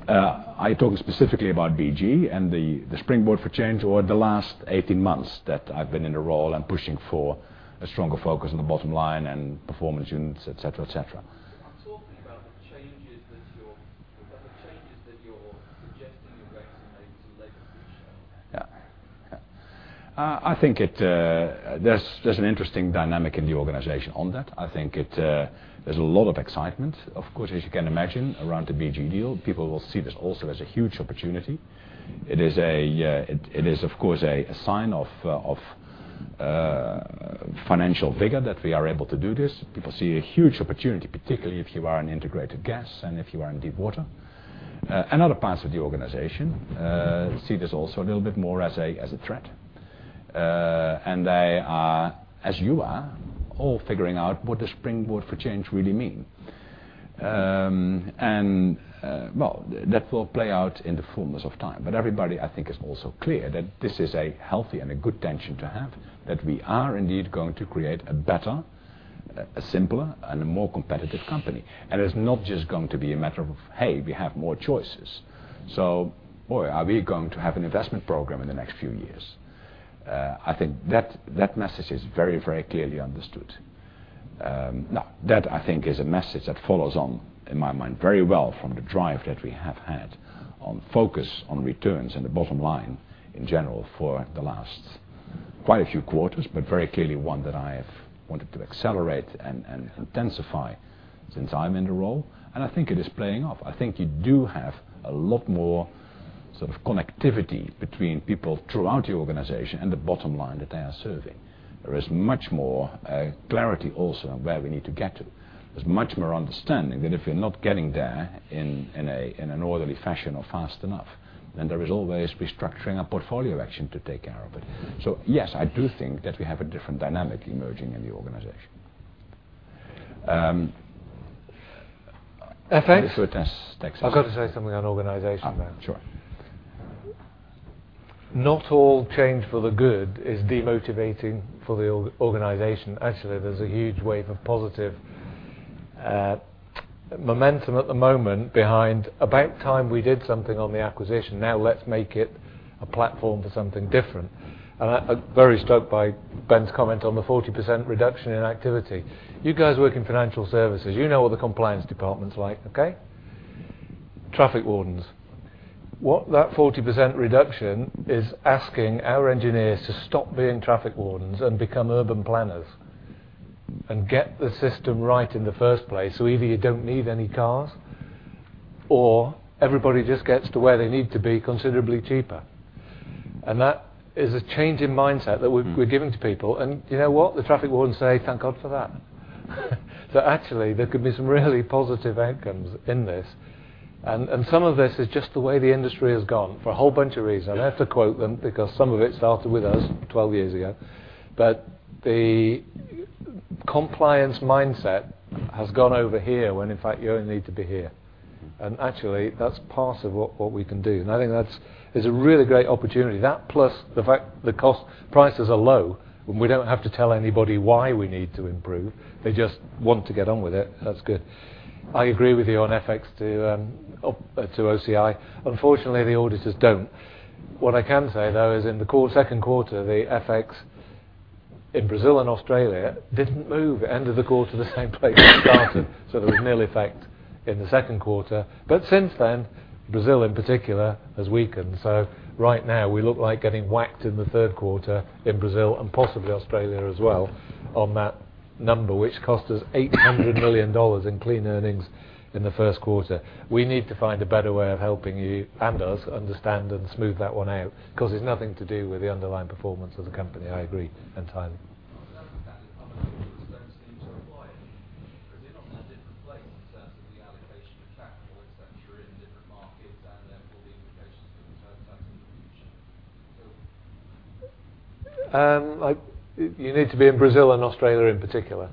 I talk specifically about BG and the springboard for change over the last 18 months that I've been in the role and pushing for a stronger focus on the bottom line and performance units, et cetera. I'm talking about the changes that you're suggesting you're going to make to legacy Shell. Yeah. I think there's an interesting dynamic in the organization on that. I think there's a lot of excitement, of course, as you can imagine, around the BG deal. People will see this also as a huge opportunity. It is, of course, a sign of financial vigor that we are able to do this. People see a huge opportunity, particularly if you are in integrated gas and if you are in deep water. Other parts of the organization see this also a little bit more as a threat. They are, as you are, all figuring out what does springboard for change really mean. Well, that will play out in the fullness of time. Everybody, I think, is also clear that this is a healthy and a good tension to have. That we are indeed going to create a better, a simpler, and a more competitive company. It's not just going to be a matter of, hey, we have more choices. Boy, are we going to have an investment program in the next few years. I think that message is very clearly understood. Now that, I think, is a message that follows on, in my mind, very well from the drive that we have had on focus on returns and the bottom line in general for the last quite a few quarters, but very clearly one that I have wanted to accelerate and intensify since I'm in the role, and I think it is paying off. I think you do have a lot more sort of connectivity between people throughout the organization and the bottom line that they are serving. There is much more clarity also on where we need to get to. There's much more understanding that if you're not getting there in an orderly fashion or fast enough, then there is always restructuring a portfolio action to take care of it. Yes, I do think that we have a different dynamic emerging in the organization. FX? I've got to say something on organization though. Sure. Not all change for the good is demotivating for the organization. Actually, there's a huge wave of positive momentum at the moment behind, about time we did something on the acquisition. Now let's make it a platform for something different. I'm very struck by Ben's comment on the 40% reduction in activity. You guys work in financial services. You know what the compliance department's like, okay? Traffic wardens. What that 40% reduction is asking our engineers to stop being traffic wardens and become urban planners, and get the system right in the first place so either you don't need any cars or everybody just gets to where they need to be considerably cheaper. That is a change in mindset that we're giving to people. You know what? The traffic wardens say, "Thank God for that." Actually, there could be some really positive outcomes in this. Some of this is just the way the industry has gone for a whole bunch of reasons. I have to quote them because some of it started with us 12 years ago. The compliance mindset has gone over here, when in fact you only need to be here. Actually, that's part of what we can do. I think that is a really great opportunity. That, plus the fact the prices are low, we don't have to tell anybody why we need to improve. They just want to get on with it. That's good. I agree with you on FX to OCI. Unfortunately, the auditors don't. What I can say, though, is in the second quarter, the FX in Brazil and Australia didn't move. It ended the quarter the same place it started. There was nil effect in the second quarter. Since then, Brazil in particular has weakened. Right now we look like getting whacked in the third quarter in Brazil and possibly Australia as well on that number, which cost us $800 million in clean earnings in the first quarter. We need to find a better way of helping you and us understand and smooth that one out, because it's nothing to do with the underlying performance of the company, I agree entirely. I understand the fact that other people just don't seem to apply it. Is it not in a different place in terms of the allocation of capital, et cetera, in different markets and therefore the implications for return to that in the future? You need to be in Brazil and Australia in particular.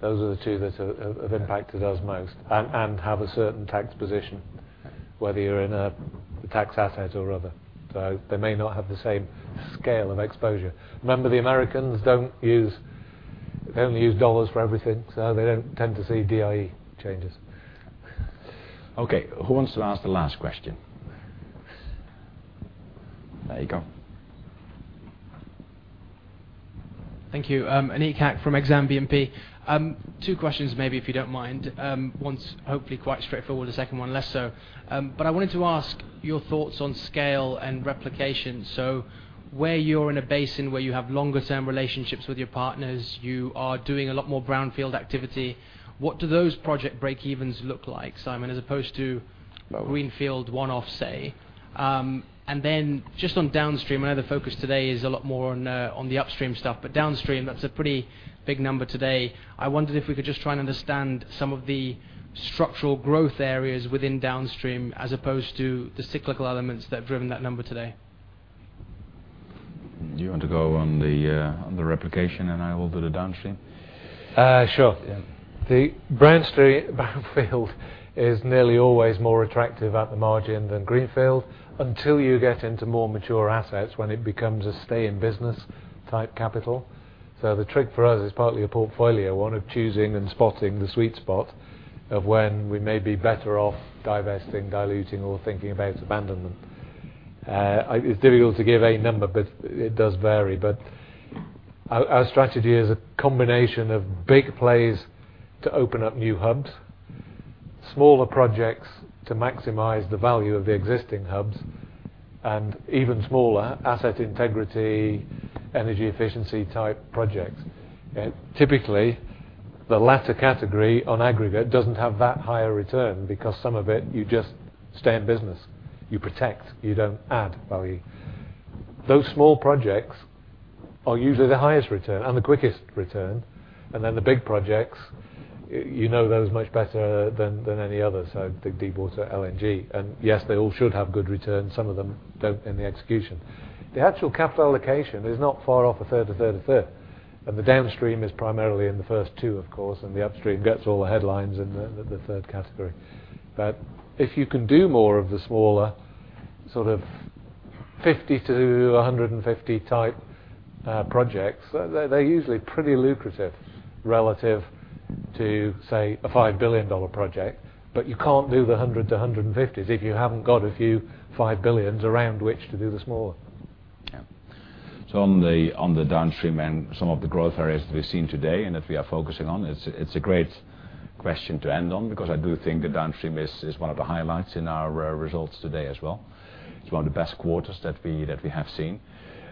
Those are the two that have impacted us most, and have a certain tax position, whether you're in a tax asset or other. They may not have the same scale of exposure. Remember, the Americans they only use dollars for everything, so they don't tend to see FX changes. Okay. Who wants to ask the last question? There you go. Thank you. Aneek Kapadia from Exane BNP. Two questions maybe if you don't mind. One's hopefully quite straightforward, the second one less so. I wanted to ask your thoughts on scale and replication. Where you're in a basin where you have longer term relationships with your partners, you are doing a lot more brownfield activity. What do those project breakevens look like, Simon, as opposed to greenfield one-off, say? Then just on Downstream, I know the focus today is a lot more on the Upstream stuff, but Downstream, that's a pretty big number today. I wondered if we could just try and understand some of the structural growth areas within Downstream as opposed to the cyclical elements that have driven that number today. Do you want to go on the replication, and I will do the Downstream? Sure. Yeah. The brownfield is nearly always more attractive at the margin than greenfield until you get into more mature assets when it becomes a stay-in-business type capital. The trick for us is partly a portfolio, one of choosing and spotting the sweet spot of when we may be better off divesting, diluting, or thinking about abandonment. It's difficult to give a number, but it does vary. Our strategy is a combination of big plays to open up new hubs, smaller projects to maximize the value of the existing hubs, and even smaller asset integrity, energy efficiency type projects. Typically, the latter category on aggregate doesn't have that higher return because some of it you just stay in business. You protect, you don't add value. Those small projects are usually the highest return and the quickest return. The big projects, you know those much better than any other, so think deepwater LNG. Yes, they all should have good returns. Some of them don't in the execution. The actual capital allocation is not far off a third, a third, a third. The Downstream is primarily in the first 2, of course, and the Upstream gets all the headlines in the third category. If you can do more of the smaller sort of 50 to 150 type projects, they're usually pretty lucrative relative to, say, a $5 billion project, but you can't do the 100 to 150s if you haven't got a few $5 billions around which to do the smaller. On the Downstream and some of the growth areas that we've seen today and that we are focusing on, it's a great question to end on because I do think the Downstream is one of the highlights in our results today as well. It's one of the best quarters that we have seen.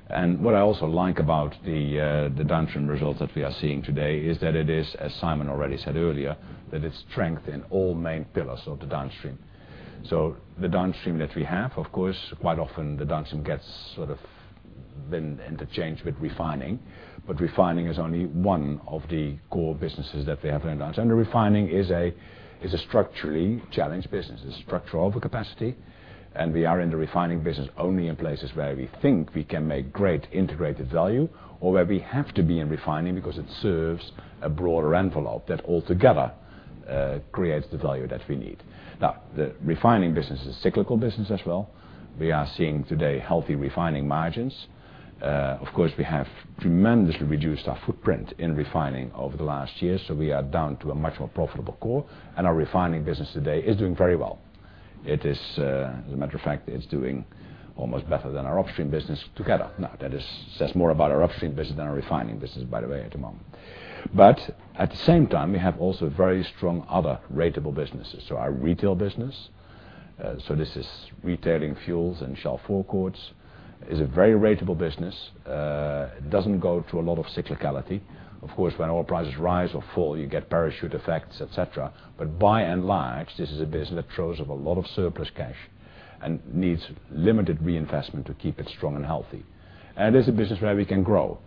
What I also like about the Downstream results that we are seeing today is that it is, as Simon already said earlier, that it's strength in all main pillars of the Downstream. The Downstream that we have, of course, quite often the Downstream gets sort of been interchanged with refining, but refining is only one of the core businesses that we have in Downstream. Refining is a structurally challenged business. It's structural over capacity. We are in the refining business only in places where we think we can make great integrated value or where we have to be in refining because it serves a broader envelope that altogether creates the value that we need. The refining business is a cyclical business as well. We are seeing today healthy refining margins. We have tremendously reduced our footprint in refining over the last year, so we are down to a much more profitable core, and our refining business today is doing very well. As a matter of fact, it's doing almost better than our Upstream business together. That says more about our Upstream business than our refining business, by the way, at the moment. At the same time, we have also very strong other ratable businesses. Our retail business, this is retailing fuels and Shell forecourts, is a very ratable business. It doesn't go through a lot of cyclicality. Of course, when oil prices rise or fall, you get parachute effects, et cetera, but by and large, this is a business that throws off a lot of surplus cash and needs limited reinvestment to keep it strong and healthy. It is a business where we can grow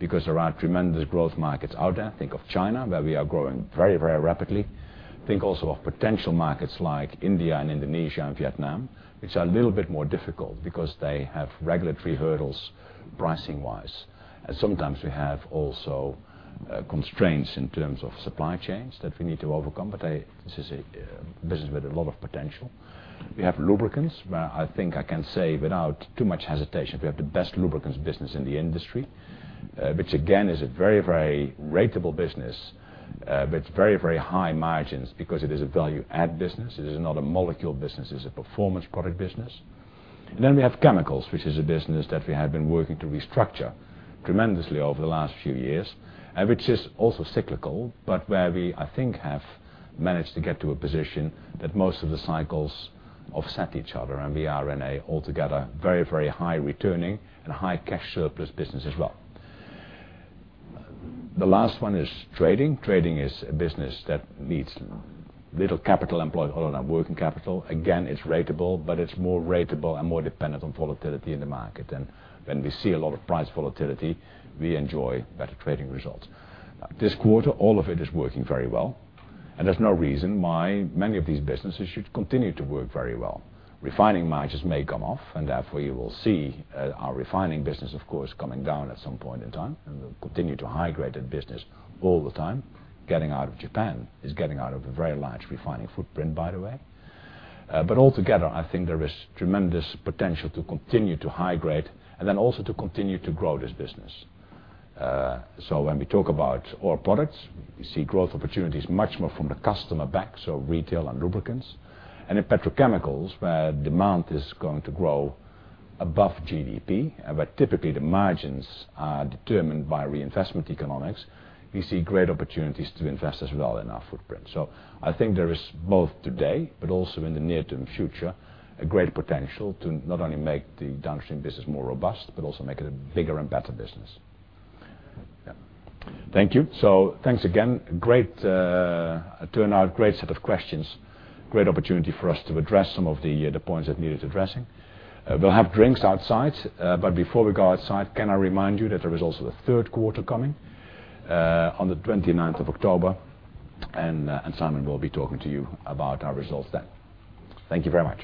because there are tremendous growth markets out there. Think of China, where we are growing very rapidly. Think also of potential markets like India and Indonesia and Vietnam, which are a little bit more difficult because they have regulatory hurdles pricing wise. Sometimes we have also constraints in terms of supply chains that we need to overcome, but this is a business with a lot of potential. We have lubricants, where I think I can say without too much hesitation, we have the best lubricants business in the industry, which again, is a very ratable business with very high margins because it is a value-add business. It is not a molecule business. It's a performance product business. We have chemicals, which is a business that we have been working to restructure tremendously over the last few years, which is also cyclical, but where we, I think, have managed to get to a position that most of the cycles offset each other, and we are in an altogether very high returning and high cash surplus business as well. The last one is trading. Trading is a business that needs little capital employed, working capital. Again, it's ratable, but it's more ratable and more dependent on volatility in the market. When we see a lot of price volatility, we enjoy better trading results. This quarter, all of it is working very well, there's no reason why many of these businesses should continue to work very well. Refining margins may come off, therefore you will see our refining business, of course, coming down at some point in time. We'll continue to high-grade that business all the time. Getting out of Japan is getting out of a very large refining footprint, by the way. Altogether, I think there is tremendous potential to continue to high-grade also to continue to grow this business. When we talk about our products, we see growth opportunities much more from the customer back, retail and lubricants. In petrochemicals, where demand is going to grow above GDP, typically the margins are determined by reinvestment economics, we see great opportunities to invest as well in our footprint. I think there is both today, but also in the near-term future, a great potential to not only make the Downstream business more robust, but also make it a bigger and better business. Yeah. Thank you. Thanks again. Great turnout. Great set of questions. Great opportunity for us to address some of the points that needed addressing. We'll have drinks outside. Before we go outside, can I remind you that there is also the third quarter coming on the 29th of October, and Simon will be talking to you about our results then. Thank you very much.